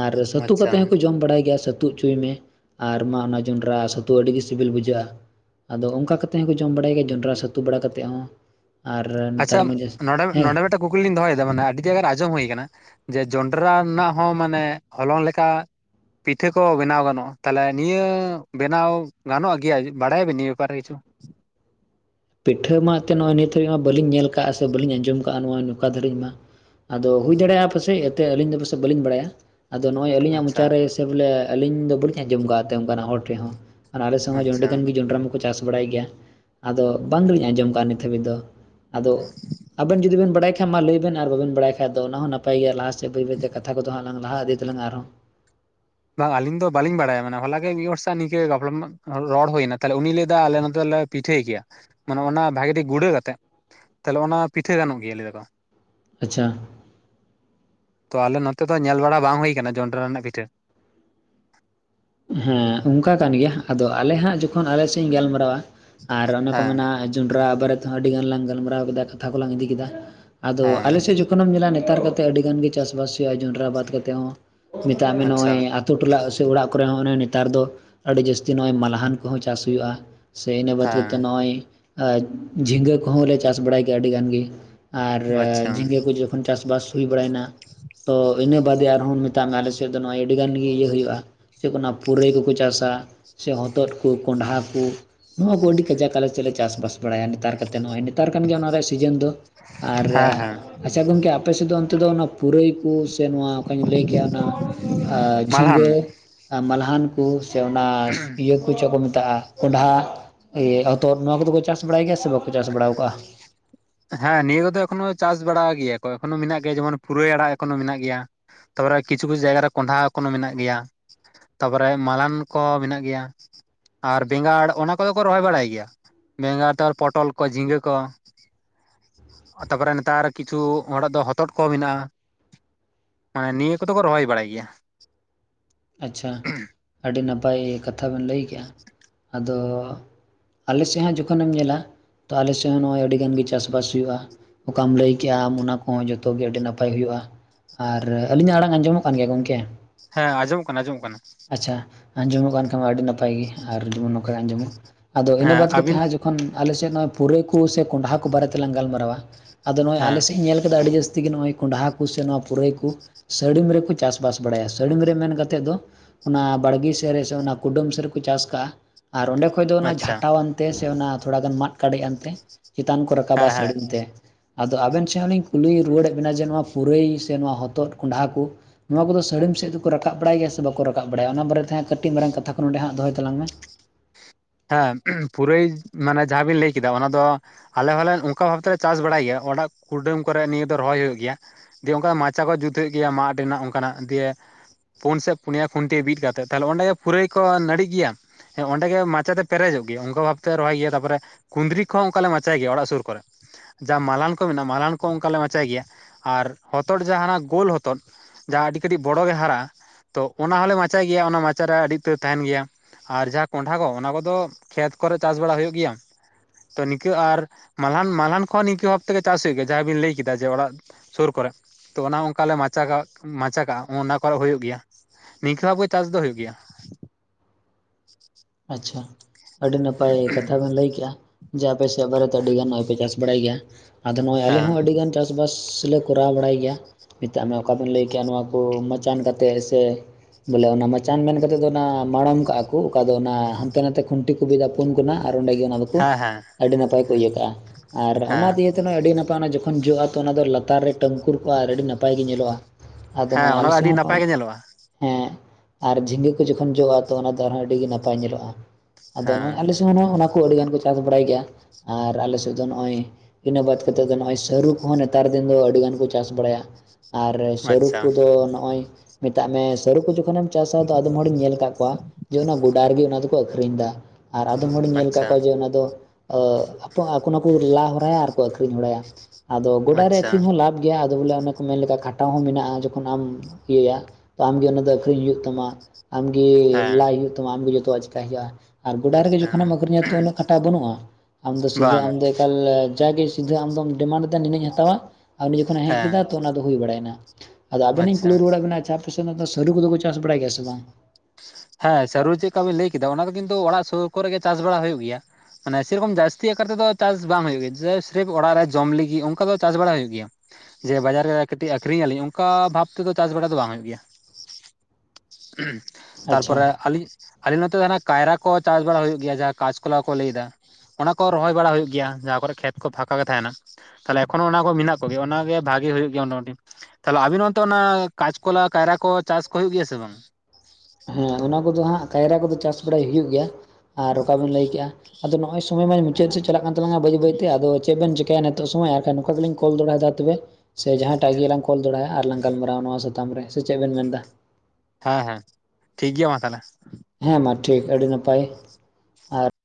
Speaker 1: ᱟᱨ ᱥᱟᱹᱛᱩ
Speaker 2: ᱟᱪᱪᱷᱟ
Speaker 1: ᱠᱟᱛᱮᱜ ᱦᱚᱸᱠᱚ ᱡᱚᱢ ᱵᱟᱲᱟᱭ ᱜᱮᱭᱟ, ᱥᱟᱹᱛ ᱩᱛᱩ ᱚᱪᱚᱭᱢᱮ ᱟᱨ ᱢᱟ ᱚᱱᱟ ᱡᱚᱸᱰᱨᱟ ᱪᱷᱟᱹᱛᱩ ᱟᱹᱰᱤ ᱜᱮ ᱥᱤᱵᱤᱞ ᱵᱩᱡᱷᱟᱹᱜᱼᱟ ᱾ ᱟᱫᱚ ᱚᱱᱠᱟ ᱠᱟᱛᱮ ᱦᱚᱸᱠᱚ ᱡᱚᱢ ᱵᱟᱲᱟᱭ ᱜᱮᱭᱟ ᱡᱚᱸᱰᱨᱟ ᱥᱟᱹᱛᱩ ᱵᱟᱲᱟ ᱠᱟᱛᱮᱫ ᱦᱚᱸ ᱾ ᱟᱨ
Speaker 2: ᱟᱪᱪᱷᱟ
Speaker 1: ᱱᱮᱛᱟᱨ ᱢᱟ ᱡᱟᱥ
Speaker 2: ᱱᱚᱰᱮ
Speaker 1: ᱦᱮᱸ
Speaker 2: ᱱᱚᱰᱮ
Speaker 1: ᱾
Speaker 2: ᱢᱤᱫᱴᱮᱱ ᱠᱩᱠᱞᱤ ᱞᱤᱧ ᱫᱚᱦᱚᱭᱮᱫᱟ ᱢᱟᱱᱮ ᱟᱹᱰᱟ ᱡᱟᱜᱟ ᱨᱮ ᱟᱸᱡᱚᱢ ᱦᱩᱭ ᱟᱠᱟᱱᱟ, ᱡᱮ ᱡᱚᱱᱰᱨᱟ ᱨᱮᱱᱟᱜ ᱦᱚᱸ ᱢᱟᱱᱮ ᱦᱚᱞᱚᱝ ᱞᱮᱠᱟ, ᱯᱤᱴᱷᱟᱹ ᱠᱚ ᱵᱮᱱᱟᱣ ᱜᱟᱱᱚᱜᱼᱟ, ᱛᱟᱦᱚᱞᱮ ᱱᱤᱭᱟᱹ ᱵᱮᱱᱟᱣ ᱜᱟᱱᱚᱜ ᱜᱮᱭᱟ ᱵᱟᱲᱟᱭᱟ ᱵᱮᱱ ᱱᱤᱭᱟᱹ ᱵᱮᱯᱟᱨ ᱨᱮ ᱠᱤᱪᱷᱩ?
Speaker 1: ᱯᱤᱴᱷᱟᱹ ᱢᱟ ᱮᱛᱮᱜ ᱱᱚᱜᱼᱚᱭ ᱱᱤᱛ ᱫᱷᱟᱹᱨᱤᱡ ᱢᱟ ᱵᱟᱞᱤᱧ ᱧᱮᱞ ᱠᱟᱜᱼᱟ ᱥᱮ ᱵᱟᱹᱞᱤᱧ ᱟᱸᱡᱚᱢ ᱠᱟᱜᱼᱟ, ᱱᱚᱣᱟ ᱚᱠᱟ ᱫᱷᱟᱹᱨᱤᱧ ᱢᱟ, ᱟᱫᱚ ᱦᱩᱭ ᱫᱟᱲᱮᱭᱟᱜᱼᱟ ᱯᱟᱥᱮᱡ ᱮᱛᱮ ᱟᱹᱞᱤᱧ ᱫᱚ ᱯᱟᱥᱮᱡ ᱵᱟᱹᱞᱤᱧ ᱵᱟᱲᱟᱭᱟ, ᱟᱫᱚ ᱱᱚᱜᱼᱚᱭ ᱟᱹᱞᱤᱧᱟᱜ
Speaker 2: ᱟᱪᱪᱷᱟ
Speaker 1: ᱢᱚᱪᱟᱨᱮ ᱥᱮ ᱵᱚᱞᱮ ᱟᱹᱞᱤᱧ ᱫᱚ ᱵᱟᱹᱞᱤᱧ ᱟᱸᱡᱚᱢ ᱠᱟᱫ ᱛᱮ ᱚᱱᱠᱟᱱᱟᱜ ᱦᱚᱲ ᱴᱷᱮᱡ ᱦᱚᱸ ᱾ ᱟᱨ ᱟᱞᱮ ᱥᱮᱫ ᱦᱚᱸ ᱡᱚᱸᱰᱤ
Speaker 2: ᱟᱪᱪᱷᱟ
Speaker 1: ᱠᱟᱱ ᱜᱮ ᱡᱚᱸᱰᱨᱟ ᱢᱟᱠᱚ ᱪᱟᱥ ᱵᱟᱲᱟᱭ ᱜᱮᱭᱟ, ᱟᱫᱚ ᱵᱟᱝ ᱞᱤᱧ ᱟᱸᱡᱚᱢ ᱠᱟᱜᱼᱟ ᱱᱤᱛ ᱦᱟᱹᱵᱤᱡ ᱫᱚ ᱾ ᱟᱫᱚ ᱟᱵᱮᱱ ᱡᱩᱫᱤ ᱵᱮᱱ ᱵᱟᱲᱟᱭ ᱠᱷᱟᱡ ᱢᱟ ᱞᱟᱹᱭ ᱵᱮᱱ, ᱟᱨ ᱵᱟᱵᱮᱱ ᱵᱟᱲᱟᱭ ᱠᱷᱟᱡ ᱫᱚ ᱚᱱᱟ ᱦᱚᱸ ᱱᱟᱯᱟᱭ ᱜᱮᱭᱟ ᱞᱟᱥᱮᱫ ᱪᱮᱫ ᱵᱟᱹᱭ ᱵᱟᱹᱭᱛᱮ ᱠᱟᱛᱷᱟ ᱠᱚ ᱫᱚ ᱦᱟᱸᱜ ᱞᱟᱝ ᱞᱟᱦᱟ ᱤᱫ ᱛᱟᱞᱟᱝ ᱟᱨᱦᱚᱸ ᱾
Speaker 2: ᱵᱟᱝ ᱟᱞᱤᱧ ᱫᱚ ᱵᱟᱞᱤᱧ ᱵᱟᱲᱟᱭᱟ ᱢᱮ ᱦᱚᱞᱟ ᱜᱮ ᱢᱤᱫ ᱦᱚᱲ ᱥᱟᱶ ᱱᱤᱠᱟᱹ ᱜᱟᱯᱞᱟ ᱨᱚᱲ ᱦᱩᱭᱱᱟ, ᱛᱟᱦᱚᱞᱮ ᱩᱱᱤ ᱞᱟᱹᱭ ᱮᱟ ᱟᱞᱮ ᱱᱚᱛᱮ ᱫᱚᱞᱮ ᱯᱤᱴᱷᱟᱹᱭ ᱜᱮᱭᱟ ᱢᱟᱱᱮ ᱚᱱᱟ ᱵᱷᱟᱜᱤ ᱴᱷᱤᱠ ᱜᱩᱲᱟᱹ ᱠᱟᱛᱮᱜ, ᱛᱟᱦᱚᱞᱮ ᱚᱱᱟ ᱯᱤᱴᱷᱟᱹ ᱜᱟᱱᱚᱜ ᱜᱮᱭᱟ ᱞᱟᱹᱭᱮᱫᱟᱠᱚ ᱾
Speaker 1: ᱟᱪᱪᱷᱟ ᱾
Speaker 2: ᱛᱚ ᱟᱞᱮ ᱱᱚᱛᱮ ᱫᱚ ᱧᱮᱞ ᱵᱟᱲᱟ ᱵᱟᱝ ᱦᱩᱭ ᱟᱠᱟᱱᱟ ᱡᱚᱸᱰᱨᱟ ᱨᱮᱱᱟᱜ ᱵᱷᱤᱴᱷᱟᱹ ᱾ [inaudible]
Speaker 1: ᱦᱮᱸ ᱚᱱᱠᱟ ᱠᱟᱱ ᱜᱮᱭᱟ ᱟᱫᱚ ᱟᱞᱮ ᱦᱟᱸᱜ ᱡᱚᱠᱷᱚᱱ ᱟᱞᱮ ᱥᱮᱫ ᱤᱧ ᱜᱟᱞᱢᱟᱨᱟᱣᱟ, ᱟᱨ ᱚᱱᱮ ᱠᱚ
Speaker 2: ᱦᱮᱸ
Speaker 1: ᱢᱮᱱᱟ ᱡᱚᱸᱰᱨᱟ ᱵᱟᱨᱮ ᱛᱮᱦᱚᱸ ᱟᱹᱰᱤᱜᱟᱱ ᱞᱟᱝ ᱜᱟᱞᱢᱟᱨᱟᱣ ᱠᱮᱫᱟ ᱠᱟᱛᱷᱟ ᱠᱚᱞᱟᱝ ᱤᱫᱤ ᱠᱮᱫᱟ, ᱟᱫᱚ
Speaker 2: ᱦᱮᱸ
Speaker 1: ᱟᱞᱮᱥᱮᱫ ᱡᱚᱠᱷᱚᱱᱮᱢ ᱧᱮᱞᱟ ᱱᱮᱛᱟᱨ ᱠᱟᱛᱮ ᱟᱹᱰᱤ ᱜᱟᱱ ᱜᱮ ᱪᱟᱥᱵᱟᱥ ᱦᱩᱭᱩᱜᱼᱟ ᱡᱚᱱᱰᱨᱟ ᱵᱟᱫ ᱠᱟᱛᱮᱮᱫ ᱦᱚᱸ ᱾ ᱢᱮᱛᱟᱜ ᱢᱮ ᱱᱚᱜ
Speaker 2: ᱟᱪᱪᱷᱟ
Speaker 1: ᱚᱭ ᱟᱛᱩ ᱴᱚᱞᱟ ᱥᱮ ᱚᱲᱟᱜ ᱠᱚᱨᱮ ᱦᱚᱸ ᱱᱮᱛᱟᱨ ᱫᱚ ᱟᱹᱰᱤ ᱡᱟᱹᱥᱛᱤ ᱱᱚᱜᱼᱚᱭ ᱢᱟᱞᱦᱟᱱ ᱠᱚᱦᱚᱸ ᱪᱟᱥ ᱦᱩᱭᱩᱜᱼᱟ ᱾ ᱥᱮ ᱤᱱᱟᱹ ᱵᱟᱫ ᱠᱟᱛᱮᱫ
Speaker 2: ᱦᱮᱸ
Speaker 1: ᱱᱚᱜᱼᱚᱭ ᱡᱷᱤᱸᱜᱟᱹ ᱠᱚᱦᱚᱸ ᱞᱮ ᱪᱟᱥ ᱵᱟᱲᱟᱭ ᱜᱮᱭᱟ ᱟᱹᱰᱤ ᱜᱟᱱ ᱜᱮ ᱾ ᱟᱨ
Speaker 2: ᱟᱪᱪᱷᱟ
Speaker 1: ᱡᱷᱤᱸᱜᱟᱹ ᱠᱚ ᱡᱚᱠᱷᱚᱱ ᱪᱟᱥᱵᱟᱥ ᱦᱩᱭ ᱵᱟᱲᱟᱭᱮᱱᱟ, ᱛᱚ ᱤᱱᱟᱹ ᱵᱟᱫᱮ ᱟᱨᱚᱱ ᱢᱮᱛᱟᱜ ᱢᱮ ᱟᱞᱮᱥᱮᱫ ᱫᱚ ᱱᱚᱜᱼᱚᱭ ᱟᱹᱰᱤ ᱜᱟᱱ ᱜᱮ ᱤᱭᱟᱹ ᱦᱩᱭᱩᱜᱼᱟ ᱪᱮᱫ ᱚᱱᱟ ᱯᱩᱨᱟᱹᱭ ᱠᱚᱠᱚ ᱪᱟᱥᱟ, ᱥᱮ ᱦᱚᱛᱚᱫ ᱠᱚ ᱠᱚᱸᱰᱷᱟ ᱠᱚ ᱱᱚᱣᱟ ᱠᱚ ᱟᱹᱰᱤ ᱠᱟᱡᱟᱠᱞ ᱛᱮᱫ ᱞᱮ ᱪᱟᱥᱵᱟᱥ ᱵᱟᱲᱟᱭᱟ ᱱᱮᱛᱟᱨ ᱠᱟᱛᱮ ᱱᱚᱜᱼᱚᱭ ᱛᱟᱨ ᱠᱟᱱ ᱜᱮᱭᱟ ᱚᱱᱟ ᱨᱮᱭᱟᱜ ᱥᱤᱡᱮᱱ ᱫᱚ, ᱟᱨ
Speaker 2: ᱦᱮᱸ ᱦᱮᱸ
Speaker 1: ᱟᱪᱪᱷᱟ ᱜᱚᱝᱠᱮ ᱟᱯᱮᱥᱮᱫ ᱫᱚ ᱚᱱᱛᱮ ᱫᱚ ᱚᱱᱟ ᱯᱩᱨᱟᱹᱭ ᱠᱚ ᱥᱮ ᱱᱚᱣᱟ ᱚᱠᱟᱧ ᱞᱟᱹᱭ ᱠᱮᱫ ᱚᱱᱟ
Speaker 2: ᱢᱟᱞᱦᱟᱱ
Speaker 1: ᱡᱷᱤᱸᱜᱟᱹ ᱢᱟᱞᱦᱟᱱ ᱠᱚ ᱥᱮ ᱚᱱᱟ ᱤᱭᱟᱹ ᱼᱼ ᱚᱠᱩ ᱪᱚ ᱠᱚ ᱢᱮᱛᱟᱜᱼᱟ ᱠᱚᱸᱰᱷᱟ ᱤᱭᱟᱹ ᱦᱚᱛᱚᱫ ᱱᱚᱣᱟ ᱠᱚ ᱫᱚ ᱠᱚ ᱪᱟᱥ ᱵᱟᱲᱟᱭ ᱜᱮᱭᱟ ᱥᱮ ᱵᱟᱠᱚ ᱪᱟᱥ ᱵᱟᱲᱟ ᱟᱠᱟᱜᱼᱟ
Speaker 2: ᱦᱮᱸ ᱱᱤᱭᱟᱹ ᱠᱚ ᱫᱚ ᱮᱠᱷᱚᱱᱚ ᱪᱟᱥ ᱵᱟᱲᱟ ᱜᱮᱭᱟ ᱠᱚ ᱮᱠᱷᱚᱱᱚ ᱢᱮᱱᱟᱜ ᱜᱮᱭᱟ ᱡᱮᱢᱚᱱ ᱯᱩᱨᱟᱹᱭ ᱟᱲᱟᱜ ᱮᱠᱷᱚᱱᱳ ᱢᱮᱱᱟᱜ ᱜᱮᱭᱟ᱾ ᱛᱟᱯᱚᱨᱮ ᱠᱤᱪᱷᱩ ᱠᱤᱪᱷᱩ ᱡᱟᱭᱜᱟ ᱨᱮ ᱠᱚᱸᱰᱷᱟ ᱮᱠᱷᱚᱱᱚ ᱢᱮᱱᱟᱜ ᱜᱮᱭᱟ ᱛᱟᱯᱚᱨᱮ ᱢᱟᱞᱟᱱ ᱠᱚ ᱢᱮᱱᱟᱜ ᱜᱮᱭᱟ ᱟᱨ ᱵᱮᱸᱜᱟᱲ ᱚᱱᱟ ᱠᱚ ᱫᱚ ᱠᱚ ᱨᱚᱦᱚᱭ ᱵᱟᱲᱟᱭ ᱜᱮᱭᱟ ᱵᱮᱸᱜᱟᱲ ᱠᱚ ᱯᱚᱴᱚᱞ ᱠᱚ ᱡᱷᱤᱸᱜᱟᱹ ᱠᱚᱼᱼ ᱛᱟᱯᱚᱨᱮ ᱱᱮᱛᱟᱨ ᱠᱤᱪᱷᱩ ᱦᱚᱲᱟᱜ ᱫᱚ ᱦᱚᱛᱚᱫ ᱠᱚ ᱢᱮᱱᱟᱜᱼᱟ ᱢᱟᱱᱮ ᱱᱤᱭᱟᱹ ᱠᱚ ᱫᱚ ᱠᱚ ᱨᱚᱦᱚᱭ ᱵᱟᱲᱟᱭ ᱜᱮᱭᱟ
Speaker 1: ᱟᱪᱪᱷᱟ ᱟᱹᱰᱤ ᱱᱟᱯᱟᱭ ᱠᱟᱛᱷᱟ ᱵᱮᱱ ᱞᱟᱹᱭ ᱠᱮᱜᱼᱟ ᱟᱫᱚᱼᱼ ᱟᱞᱮ ᱥᱮᱫ ᱦᱚᱸ ᱡᱚᱠᱷᱚᱱᱮᱢ ᱧᱮᱞᱟ ᱛᱚ ᱟᱞᱮ ᱥᱮᱫ ᱦᱚᱸ ᱱᱚᱜᱼᱚᱭ ᱟᱹᱰᱤ ᱜᱟᱱ ᱜᱮ ᱪᱟᱥ ᱵᱟᱥ ᱦᱩᱭᱩᱜᱼᱟ ᱚᱠᱟᱢ ᱞᱟᱹᱭ ᱠᱮᱜᱼᱟᱢ ᱚᱱᱟ ᱠᱚ ᱦᱚᱸ ᱡᱚᱛᱚ ᱜᱮ ᱟᱹᱰᱤ ᱱᱟᱯᱟᱭ ᱜᱮ ᱦᱩᱭᱩᱜᱼᱟ ᱟᱨ ᱟᱹᱞᱤᱧᱟᱜ ᱟᱲᱟᱝ ᱟᱸᱡᱚᱢᱚᱜ ᱠᱟᱱ ᱜᱮᱭᱟ ᱜᱚᱝᱠᱮ,
Speaker 2: ᱦᱮᱸ ᱟᱸᱡᱚᱢᱚᱜ ᱠᱟᱱᱟ ᱟᱸᱡᱚᱢᱚᱜ ᱠᱟᱱᱟ
Speaker 1: ᱟᱪᱪᱷᱟ ᱟᱸᱡᱚᱢᱚᱜ ᱠᱟᱱ ᱠᱷᱟᱱ ᱢᱟ ᱟᱹᱰᱤ ᱱᱟᱯᱟᱭ ᱜᱮ ᱟᱨ ᱡᱮᱢᱚᱱ ᱱᱚᱝᱠᱟ ᱟᱸᱡᱚᱢᱚᱜ ᱟᱫᱚ ᱤᱱᱟᱹ ᱵᱟᱫ
Speaker 2: ᱦᱮᱸ
Speaker 1: ᱠᱟᱛᱮᱫ
Speaker 2: ᱟᱹᱵᱤᱱ
Speaker 1: ᱦᱟᱸ [unintelligible] ᱟᱞᱮ ᱥᱮᱫ ᱱᱚᱣᱟ ᱯᱩᱨᱟᱹᱭ ᱠᱚ ᱥᱮ ᱠᱚᱸᱰᱷᱟ ᱠᱚ ᱵᱟᱨᱮ ᱛᱮᱞᱟᱝ ᱜᱟᱞᱢᱟᱨᱟᱣᱟ ᱟᱫᱚ ᱱᱚᱜ ᱚᱭ ᱟᱞᱮ
Speaker 2: ᱦᱮᱸ
Speaker 1: ᱥᱮᱫ ᱤᱧ ᱧᱮᱞ ᱠᱮᱫᱟ ᱟᱹᱰᱤ ᱡᱟᱹᱥᱛᱤ ᱜᱮ ᱱᱚᱜᱼᱚᱭ ᱠᱚᱸᱰᱷᱟ ᱠᱚ ᱥᱮ ᱱᱚᱣᱟ ᱯᱩᱨᱟᱹᱭ ᱠᱚ ᱥᱟᱹᱲᱤᱢ ᱨᱮ ᱠᱚ ᱪᱟᱥ ᱵᱟᱥ ᱵᱟᱲᱟᱭᱟ ᱥᱟᱹᱲᱤᱢ ᱨᱮ ᱢᱮᱱ [unintelligible] ᱛᱮᱫ ᱫᱚ ᱚᱱᱟ ᱵᱟᱲᱜᱮ ᱥᱮᱫ ᱨᱮ ᱥᱮ ᱚᱱᱟ ᱠᱩᱰᱟᱹᱢ ᱥᱮᱫ ᱨᱮ ᱠᱚ ᱪᱟᱥ ᱠᱟᱜᱼᱟ ᱟᱨ ᱚᱸᱰᱮ ᱠᱷᱚᱡ ᱫᱚ ᱚᱱᱟ
Speaker 2: ᱟᱪᱪᱷᱟ
Speaker 1: ᱡᱷᱟᱴᱟᱣ ᱟᱱ ᱛᱮ ᱥᱮ ᱚᱱᱟ ᱛᱷᱚᱲᱟ ᱜᱟᱱ ᱢᱟᱫ ᱠᱟᱰᱮᱡ ᱟᱱᱛᱮᱼᱼ ᱪᱮᱛᱟᱱ ᱠᱚ ᱨᱟᱠᱟᱵᱟ
Speaker 2: ᱦᱮᱸ
Speaker 1: ᱥᱟᱹᱲᱤᱢ ᱛᱮᱼᱼ ᱟᱫᱚ ᱟᱵᱮᱱ ᱥᱮ ᱦᱚᱸ ᱞᱤᱧ ᱠᱩᱞᱤ ᱨᱩᱣᱟᱹᱲ ᱮᱫ ᱵᱮᱱᱟ ᱡᱮ ᱱᱚᱣᱟ ᱯᱩᱨᱟᱹᱭ ᱥᱮ ᱱᱚᱣᱟ ᱦᱚᱛᱚᱫ ᱠᱚᱸᱱᱰᱷᱟ ᱠᱚᱼᱼ ᱱᱚᱣᱟ ᱠᱚ ᱫᱚ ᱥᱟᱹᱲᱤᱢ ᱥᱮᱫ ᱫᱚ ᱠᱚ ᱨᱟᱠᱟᱵ ᱵᱟᱲᱟᱭ ᱜᱮᱭᱟ ᱥᱮ ᱵᱟᱠᱚ ᱨᱟᱠᱟᱵ ᱵᱟᱲᱟᱭᱟ ᱚᱱᱟ ᱵᱟᱨᱮ ᱛᱮ ᱠᱟᱹᱴᱤᱡ ᱢᱟᱨᱟᱝ ᱠᱟᱛᱷᱟ ᱠᱚ ᱱᱚᱰᱮ ᱦᱟᱸᱜ ᱫᱚᱦᱚᱭ ᱛᱟᱞᱟᱝ ᱢᱮ
Speaker 2: ᱦᱮᱸ ᱯᱩᱨᱟᱹᱭ ᱢᱟᱱᱮ ᱡᱟᱦᱟᱸ ᱵᱤᱱ ᱞᱟᱹᱭ ᱠᱮᱫᱟ ᱚᱱᱟ ᱫᱚᱼᱼ ᱟᱞᱮ ᱦᱚᱸᱞᱮ ᱚᱱᱠᱟ ᱵᱷᱟᱵ ᱛᱮᱞᱮ ᱪᱟᱥ ᱵᱟᱲᱟᱭ ᱜᱮᱭᱟ ᱚᱲᱟᱜ ᱠᱩᱰᱟᱹᱢ ᱠᱚ ᱨᱮ ᱱᱤᱭᱟᱹ ᱫᱚ ᱨᱚᱦᱚᱭ ᱦᱩᱭᱩᱜ ᱜᱮᱭᱟ ᱫᱤᱭᱮ ᱚᱱᱠᱟ ᱢᱟᱪᱟ ᱠᱚ ᱡᱩᱛ ᱦᱩᱭᱩᱜ ᱜᱮᱭᱟ ᱢᱟᱫ ᱨᱮᱱᱟᱜ ᱚᱱᱠᱟᱱᱟᱜ ᱫᱤᱭᱮᱼᱼ ᱯᱩᱱ ᱥᱮᱫ ᱯᱩᱱᱭᱟ ᱠᱷᱩᱱᱴᱤ ᱵᱤᱫ ᱠᱟᱛᱮᱫ ᱛᱟᱦᱞᱮ ᱚᱸᱰᱮ ᱯᱩᱨᱟᱹᱭ ᱠᱚ ᱱᱟᱹᱲᱤᱜ ᱜᱮᱭᱟ ᱚᱸᱰᱮ ᱜᱮ ᱢᱟᱪᱟᱼᱼ [unintelligible] ᱯᱮᱨᱮᱡᱚᱜ ᱜᱮᱭᱟ ᱚᱱᱠᱟ ᱵᱷᱟᱛᱮ ᱨᱚᱦᱚᱭ ᱜᱮᱭᱟ ᱛᱟᱯᱚᱨᱮ ᱠᱩᱸᱫᱽᱨᱤ ᱠᱚ ᱦᱚᱸ ᱚᱱᱠᱟ ᱞᱮ ᱢᱟᱪᱟᱭ ᱜᱮᱭᱟ ᱚᱲᱟᱜ ᱥᱩᱨ ᱠᱚ ᱨᱮᱼᱼ ᱡᱟᱦᱟᱸ ᱢᱟᱞᱦᱟᱱ ᱠᱚ ᱢᱮᱱᱟᱜ ᱢᱟᱞᱦᱟᱱ ᱠᱚ ᱚᱱᱠᱟ ᱞᱮ ᱢᱟᱪᱟᱭ ᱜᱮᱭᱟ ᱟᱨ ᱦᱚᱛᱚᱫ ᱡᱟᱦᱟᱱᱟᱜ ᱜᱳᱞ ᱦᱚᱛᱚᱫᱼᱼ ᱡᱟᱦᱟᱸ ᱟᱹᱰᱤ ᱠᱟᱹᱴᱤᱡ ᱵᱚᱲᱚ ᱜᱮ ᱦᱟᱨᱟᱼᱼ ᱛᱚ ᱚᱱᱟ ᱦᱚᱞᱮ ᱢᱟᱪᱟᱭ ᱜᱮᱭᱟ ᱚᱱᱟ ᱢᱟᱪᱟ ᱨᱮ ᱟᱹᱰᱤ ᱩᱛᱟᱹᱨ ᱛᱟᱦᱮᱱ ᱜᱮᱭᱟ ᱟᱨ ᱡᱟᱦᱟᱸ ᱠᱚᱸᱰᱷᱟ ᱠᱚ ᱚᱱᱟ ᱠᱚᱼᱼ ᱛᱚ ᱠᱷᱮᱛ ᱠᱚ ᱨᱮ ᱪᱟᱥ ᱵᱟᱲᱟ ᱦᱩᱭᱩᱜ ᱜᱮᱭᱟ ᱛᱚ ᱱᱤᱝᱠᱟᱹ ᱟᱨ ᱢᱟᱞᱦᱟᱱ ᱢᱟᱞᱦᱟᱱ ᱠᱷᱚᱱ ᱱᱤᱠᱟᱹ ᱵᱷᱟᱵ ᱛᱮ ᱜᱮ ᱪᱟᱥ ᱦᱩᱭᱩᱜ ᱜᱮᱭᱟ ᱡᱟᱦᱟᱸᱭ ᱵᱤᱱ ᱞᱟᱹᱭ ᱠᱮᱫᱟ ᱡᱮ ᱚᱲᱟᱜᱼᱼ ᱥᱩᱨ ᱠᱚ ᱨᱮ ᱛᱚ ᱚᱱᱟ ᱚᱱᱠᱟ ᱞᱮ ᱢᱟᱪᱟ ᱠᱟᱜᱼᱟ ᱢᱟᱪᱟ ᱠᱟᱜᱼᱟ ᱚᱱᱟ ᱠᱚ ᱨᱮ ᱦᱩᱭᱩᱜ ᱜᱮᱭᱟ᱾ ᱱᱤᱝᱠᱟᱹ [unintelligible] ᱪᱟᱥ ᱫᱚ ᱦᱩᱭᱩᱜ ᱜᱮᱭᱟ᱾
Speaker 1: ᱟᱪᱪᱷᱟ ᱟᱹᱰᱤ ᱱᱟᱯᱟᱭ ᱠᱟᱛᱷᱟ ᱵᱮᱱ ᱞᱟᱹᱭ ᱠᱮᱜᱼᱟ᱾ ᱡᱟ ᱟᱯᱮᱥ ᱥᱮᱫ ᱵᱟᱨᱮ ᱛᱮ ᱟᱹᱰᱤ ᱜᱟᱱ ᱱᱚᱜᱚᱭ ᱯᱮ ᱪᱟᱥ ᱵᱟᱲᱟᱭ ᱜᱮᱭᱟ ᱟᱫᱚ ᱱᱚᱜᱚᱭ ᱟᱞᱮ
Speaker 2: ᱦᱮᱸ
Speaker 1: ᱦᱚᱸ ᱟᱹᱰᱤ ᱜᱟᱱ ᱪᱟᱥ᱾ ᱪᱟᱥ ᱵᱟᱥ ᱞᱮ ᱠᱚᱨᱟᱣ ᱵᱟᱲᱟᱭ ᱜᱮᱭᱟ ᱢᱮᱛᱟᱜ ᱢᱮ ᱚᱠᱟ ᱵᱮᱱ ᱞᱟᱹᱭ ᱠᱮᱜᱼᱟ ᱱᱚᱣᱟ ᱠᱚ ᱢᱟᱪᱟᱱ ᱠᱟᱛᱮᱫ ᱥᱮ᱾ ᱵᱚᱞᱮ ᱚᱱᱟ ᱢᱟᱪᱟᱱ ᱢᱮᱱ ᱠᱟᱛᱮ ᱫᱚ ᱚᱱᱟ ᱢᱟᱲᱚᱢ ᱠᱟᱜᱼᱟ ᱠᱚ ᱚᱠᱟ᱾ ᱚᱱᱟ ᱦᱟᱱᱛᱮ ᱱᱟᱛᱮ ᱠᱷᱩᱱᱴᱤ ᱠᱚ ᱵᱤᱫᱟ ᱯᱩᱱ ᱠᱷᱚᱱᱟᱜ ᱟᱨ ᱚᱸᱰᱮ ᱜᱮ ᱚᱱᱟ ᱫᱚ ᱠᱚ
Speaker 2: ᱦᱮᱸ ᱦᱮᱸ
Speaker 1: ᱟᱹᱰᱤ ᱱᱟᱯᱟᱭ ᱠᱚ ᱤᱭᱟᱹ ᱠᱟᱜᱼᱟ᱾ ᱟᱨ ᱚᱱᱟ
Speaker 2: ᱦᱮᱸ
Speaker 1: ᱫᱤᱭᱟᱹ ᱛᱮ ᱟᱹᱰᱤ ᱱᱟᱯᱟᱭ ᱚᱱᱟ ᱡᱚᱠᱷᱚᱱ ᱡᱚᱜᱼᱟ ᱛᱚ ᱚᱱᱟ ᱫᱚ ᱞᱟᱛᱟᱨ ᱨᱮ ᱴᱟᱹᱢᱠᱩᱨ ᱠᱚᱜᱼᱟ ᱟᱨ ᱟᱹᱰᱤ ᱱᱟᱯᱟᱭ ᱜᱮ ᱧᱮᱞᱚᱜᱼᱟ᱾ ᱟᱫᱚ
Speaker 2: ᱦᱮᱸ
Speaker 1: ᱱᱚᱜᱚᱭ
Speaker 2: ᱚᱱᱟ
Speaker 1: ᱟᱞᱮ
Speaker 2: ᱫᱚ
Speaker 1: ᱥᱮᱫ
Speaker 2: ᱟᱹᱰᱤ ᱱᱟᱯᱟᱭ
Speaker 1: ᱦᱚᱸ
Speaker 2: ᱜᱮ ᱧᱮᱞᱚᱜᱼᱟ
Speaker 1: [unintelligible] ᱦᱮᱸ ᱟᱨ ᱡᱷᱤᱸᱜᱟᱹ ᱠᱚ ᱡᱚᱠᱷᱚᱱ ᱡᱚᱜᱼᱟ ᱛᱚ ᱚᱱᱟ ᱫᱚ ᱟᱨ ᱦᱚᱸ ᱟᱹᱰᱤ ᱜᱮ ᱱᱟᱯᱟᱭ ᱧᱮᱞᱚᱜᱼᱟ᱾ ᱟᱫᱚ ᱱᱚᱜ ᱚᱭ
Speaker 2: ᱦᱮᱸ
Speaker 1: ᱟᱞᱮ ᱥᱮᱫ ᱦᱚᱸ ᱚᱱᱟ ᱠᱚ ᱟᱹᱰᱤ ᱜᱟᱱ ᱠᱚ ᱪᱟᱥ ᱵᱟᱲᱟᱭ ᱜᱮᱭᱟ ᱟᱨ ᱟᱞᱮ ᱥᱮᱫ ᱫᱚ ᱱᱚᱜᱼᱚᱭ ᱤᱱᱟᱹ ᱵᱟᱫ ᱠᱟᱛᱮᱫ ᱫᱚ ᱱᱚᱜᱼᱚᱭ ᱥᱟᱹᱨᱩ ᱠᱚ ᱦᱚᱸ ᱱᱮᱛᱟᱨ ᱫᱤᱱ ᱫᱚ ᱟᱹᱰᱤ ᱜᱟᱱ ᱠᱚ ᱪᱟᱥ ᱵᱟᱲᱟᱭᱟ᱾ ᱟᱨ ᱥᱟᱹᱨᱩ
Speaker 2: ᱟᱪᱪᱷᱟ
Speaker 1: ᱠᱚᱫᱚ ᱱᱚᱜᱼᱚᱭ ᱢᱮᱛᱟᱜ ᱢᱮ ᱥᱟᱹᱨᱩ ᱠᱚ ᱡᱚᱠᱷᱚᱱ ᱮᱢ᱾ ᱪᱟᱥ ᱫᱚ ᱟᱫᱚᱢ ᱦᱚᱲᱤᱧ ᱧᱮᱞ ᱟᱠᱟᱫ ᱠᱚᱣᱟ ᱡᱮ ᱚᱱᱟ ᱜᱚᱰᱟ ᱨᱮ ᱜᱮ ᱚᱱᱟ ᱫᱚ ᱠᱚ ᱟᱠᱷᱨᱤᱧ ᱮᱫᱟ᱾ ᱟᱨ ᱟᱫᱚᱢ ᱦᱚᱲᱤᱧ ᱧᱮᱞ ᱟᱠᱟᱫ
Speaker 2: ᱟᱪᱪᱷᱟ
Speaker 1: ᱠᱚᱣᱟ ᱡᱮ ᱚᱱᱟ ᱫᱚ [unintelligible] [unintelligible] ᱦᱚᱨᱟᱭᱟ ᱟᱨ ᱟᱠᱷᱨᱤᱧ ᱦᱚᱨᱟᱭᱟ ᱟᱫᱚ ᱜᱚᱰᱟ ᱨᱮ
Speaker 2: ᱟᱪᱪᱷᱟ
Speaker 1: ᱟᱠᱷᱨᱤᱧ ᱦᱚᱸ [unintelligible] ᱜᱮᱭᱟ ᱟᱫᱚ ᱵᱚᱞᱮ ᱚᱱᱟ ᱠᱚ ᱢᱮᱱ ᱞᱮᱠᱟ ᱠᱷᱟᱴᱟᱣ ᱦᱚᱸ ᱢᱮᱱᱟᱜᱼᱟ ᱡᱚᱠᱷᱚᱱ ᱟᱢ ᱤᱭᱟᱹᱭᱟ᱾ ᱛᱟ ᱟᱢ ᱜᱮ ᱚᱱᱟ ᱫᱚ ᱟᱹᱠᱷᱨᱤᱧ ᱦᱩᱭᱩᱜ ᱛᱟᱢᱟ ᱟᱢ ᱜᱮ
Speaker 2: ᱦᱮᱸ
Speaker 1: ᱞᱟᱭ ᱦᱩᱭᱩᱜ ᱛᱟᱢᱟ ᱟᱢ ᱜᱮ ᱡᱚᱛᱚᱣᱟᱜ ᱪᱤᱠᱟᱭ ᱦᱩᱭᱩᱜᱼᱟ᱾ ᱟᱨ ᱜᱚᱰᱟ ᱨᱮᱜᱮ
Speaker 2: ᱦᱮᱸ
Speaker 1: ᱡᱚᱠᱷᱚᱱᱢ ᱟᱹᱠᱷᱨᱤᱧᱟ ᱛᱚ, ᱩᱱᱟᱹᱜ ᱠᱷᱟᱴᱟᱣ ᱵᱟᱹᱱᱩᱜᱼᱟ᱾ ᱟᱢ ᱫᱚ ᱥᱤᱫᱷᱟᱹ
Speaker 2: ᱵᱟᱝ
Speaker 1: ᱟᱢ ᱫᱚ ᱮᱠᱟᱞ ᱡᱟᱜᱮ ᱥᱤᱫᱷᱟᱹ ᱟᱢᱫᱚᱢ ᱰᱤᱢᱟᱱᱰ ᱮᱫᱟ ᱱᱤᱱᱟᱹᱜ ᱤᱧ ᱦᱟᱛᱟᱣ, ᱟᱨ ᱩᱱᱤ ᱡᱚᱠᱷᱚᱱᱮ ᱦᱮᱸᱜ
Speaker 2: ᱦᱮᱸ
Speaker 1: ᱠᱮᱫᱟ ᱛᱚ ᱚᱱᱟ ᱫᱚ ᱦᱩᱭ ᱵᱟᱲᱟᱭᱱᱟ, ᱟᱫᱚ ᱟᱵᱮᱱᱤᱧ
Speaker 2: ᱟᱪᱪᱷᱟ
Speaker 1: ᱠᱩᱞᱤ ᱨᱩᱣᱟᱹᱲᱮᱜ ᱵᱮᱱᱟ, ᱟᱪᱪᱷᱟ ᱟᱯᱮ ᱥᱮᱱ ᱟᱫᱚ ᱥᱟᱹᱨᱤ ᱠᱚᱫᱚ ᱠᱚ ᱪᱟᱥ ᱵᱟᱲᱟᱭ ᱜᱮᱭᱟ ᱥᱮ ᱵᱟᱝ?
Speaker 2: ᱦᱮᱸ ᱥᱟᱹᱨᱩ ᱪᱮᱫᱠᱟ ᱵᱤᱱ ᱞᱟᱹᱭ ᱠᱮᱫᱟ ᱚᱱᱟ ᱫᱚ ᱠᱤᱱᱛᱩ ᱚᱲᱟᱜ ᱥᱩᱨ ᱠᱚᱨᱮᱜ ᱜᱮ ᱪᱟᱥ ᱵᱟᱲᱟ ᱦᱩᱭᱩᱜ ᱜᱮᱭᱟ᱾ ᱢᱟᱱᱮ ᱥᱮᱨᱚᱠᱚᱢ ᱡᱟᱹᱥᱛᱤ ᱟᱠᱟᱨ ᱛᱮᱫᱚ ᱪᱟᱥ ᱵᱟᱝ ᱦᱳᱭ ᱜᱮᱭᱟ, ᱡᱟᱥ ᱥᱨᱤᱯ ᱚᱲᱟᱜ ᱨᱮ ᱡᱚᱢ ᱞᱟᱹᱜᱤᱫ ᱚᱱᱠᱟ ᱫᱚ ᱪᱟᱥ ᱵᱟᱲᱟ ᱦᱩᱭᱩᱜ ᱜᱮᱭᱟ᱾ ᱡᱮ ᱵᱟᱡᱟᱨ ᱨᱮ ᱠᱟᱹᱴᱤᱡ ᱟᱠᱷᱨᱤᱧ ᱟᱹᱞᱤᱧ ᱚᱱᱠᱟ ᱵᱷᱟᱵ ᱛᱮᱫᱚ ᱪᱟᱥ ᱵᱟᱲᱟ ᱫᱚ ᱵᱟᱝ ᱦᱩᱭᱩᱜ ᱜᱮᱭᱟ᱾
Speaker 1: ᱟᱪᱪᱷᱟ
Speaker 2: ᱛᱟᱨᱯᱚᱨᱮ ᱟᱹᱞᱤᱧ ᱟᱞᱮ ᱱᱚᱛᱮ ᱫᱚ ᱦᱟᱱᱟ ᱠᱟᱭᱨᱟ ᱠᱚ ᱪᱟᱥ ᱵᱟᱲᱟ ᱦᱩᱭᱩᱜ ᱜᱮᱭᱟ ᱡᱟᱦᱟᱸ ᱠᱟᱪ ᱠᱚᱞᱟ ᱠᱚ ᱞᱟᱹᱭᱮᱫᱟ᱾ ᱚᱱᱟ ᱠᱚ ᱨᱚᱦᱚᱭ ᱵᱟᱲᱟ ᱦᱩᱭᱩᱜ ᱜᱮᱭᱟ, ᱡᱟᱦᱟᱸ ᱠᱚᱨᱮ ᱠᱷᱮᱛ ᱠᱚ ᱯᱷᱟᱸᱠᱟ ᱜᱮ ᱛᱟᱦᱮᱸᱱᱟ᱿ ᱛᱟᱦᱚᱞᱮ ᱮᱠᱷᱚᱱᱚ ᱚᱱᱟ ᱠᱚ ᱢᱮᱱᱟᱜ ᱠᱚᱜᱮ, ᱚᱱᱟᱜᱮ ᱵᱷᱟᱜᱤ ᱦᱩᱭᱩᱜ ᱜᱮᱭᱟ ᱢᱚᱴᱟᱢᱚᱴᱤ᱾ ᱛᱟᱦᱞᱮ ᱟᱵᱤᱱ ᱚᱱᱛᱮ ᱚᱱᱟ ᱠᱟᱪ ᱠᱚᱞᱟ ᱠᱟᱭᱨᱟ ᱠᱚ ᱪᱟᱥ ᱠᱚ ᱦᱩᱭᱩᱜ ᱜᱮᱭᱟ ᱥᱮ ᱵᱟᱝᱟ?
Speaker 1: ᱦᱮᱸ ᱚᱱᱟ ᱠᱚᱫᱚ ᱦᱟᱸᱜ ᱠᱟᱭᱨᱟ ᱠᱚᱫᱚ ᱪᱟᱥ ᱵᱟᱲᱟᱭ ᱦᱩᱭᱩᱜ ᱜᱮᱭᱟ, ᱟᱨ ᱚᱠᱟ ᱵᱤᱱ ᱞᱟᱹᱭ ᱠᱮᱫᱼᱟ ᱟᱫᱚ ᱱᱚᱜ-ᱚᱭ ᱥᱚᱢᱚᱭ ᱢᱟ ᱢᱩᱪᱟᱹᱫ ᱥᱮᱫ ᱪᱟᱞᱟᱜ ᱠᱟᱱ ᱛᱟᱞᱟᱝᱟ ᱵᱟᱹᱭ ᱵᱟᱹᱭᱛᱮ ᱟᱫᱚ ᱪᱮᱫ ᱵᱮᱱ ᱪᱮᱠᱟᱭᱟ ᱱᱮ ᱛᱚᱜ ᱥᱚᱢᱚᱭ ᱟᱨᱠᱷᱟᱱ ᱱᱚᱠᱟ ᱜᱮᱞᱤᱧ ᱠᱚᱞ ᱫᱚᱲᱦᱟᱭᱮᱫᱟ ᱛᱚᱵᱮ. ᱥᱮ ᱡᱟᱦᱟᱸᱭ ᱴᱟᱜ ᱜᱤ ᱞᱟᱝ ᱠᱚᱞ ᱫᱚᱲᱦᱟᱭᱟ ᱟᱨ ᱞᱟᱝ ᱜᱟᱞᱢᱟᱨᱟᱣᱟ ᱱᱚᱣᱟ ᱥᱟᱛᱟᱢ ᱨᱮ, ᱥᱮ ᱪᱮᱫ ᱵᱮᱱ ᱢᱮᱱ ᱮᱫᱟ?
Speaker 2: ᱦᱮᱸ ᱦᱮᱸ, ᱴᱷᱤᱠ ᱜᱮᱭᱟ ᱢᱟ ᱛᱟᱦᱚᱞᱮ᱾
Speaker 1: ᱦᱮᱸ ᱢᱟ ᱴᱷᱤᱠ ᱟᱹᱰᱤ ᱱᱟᱯᱟᱭ᱾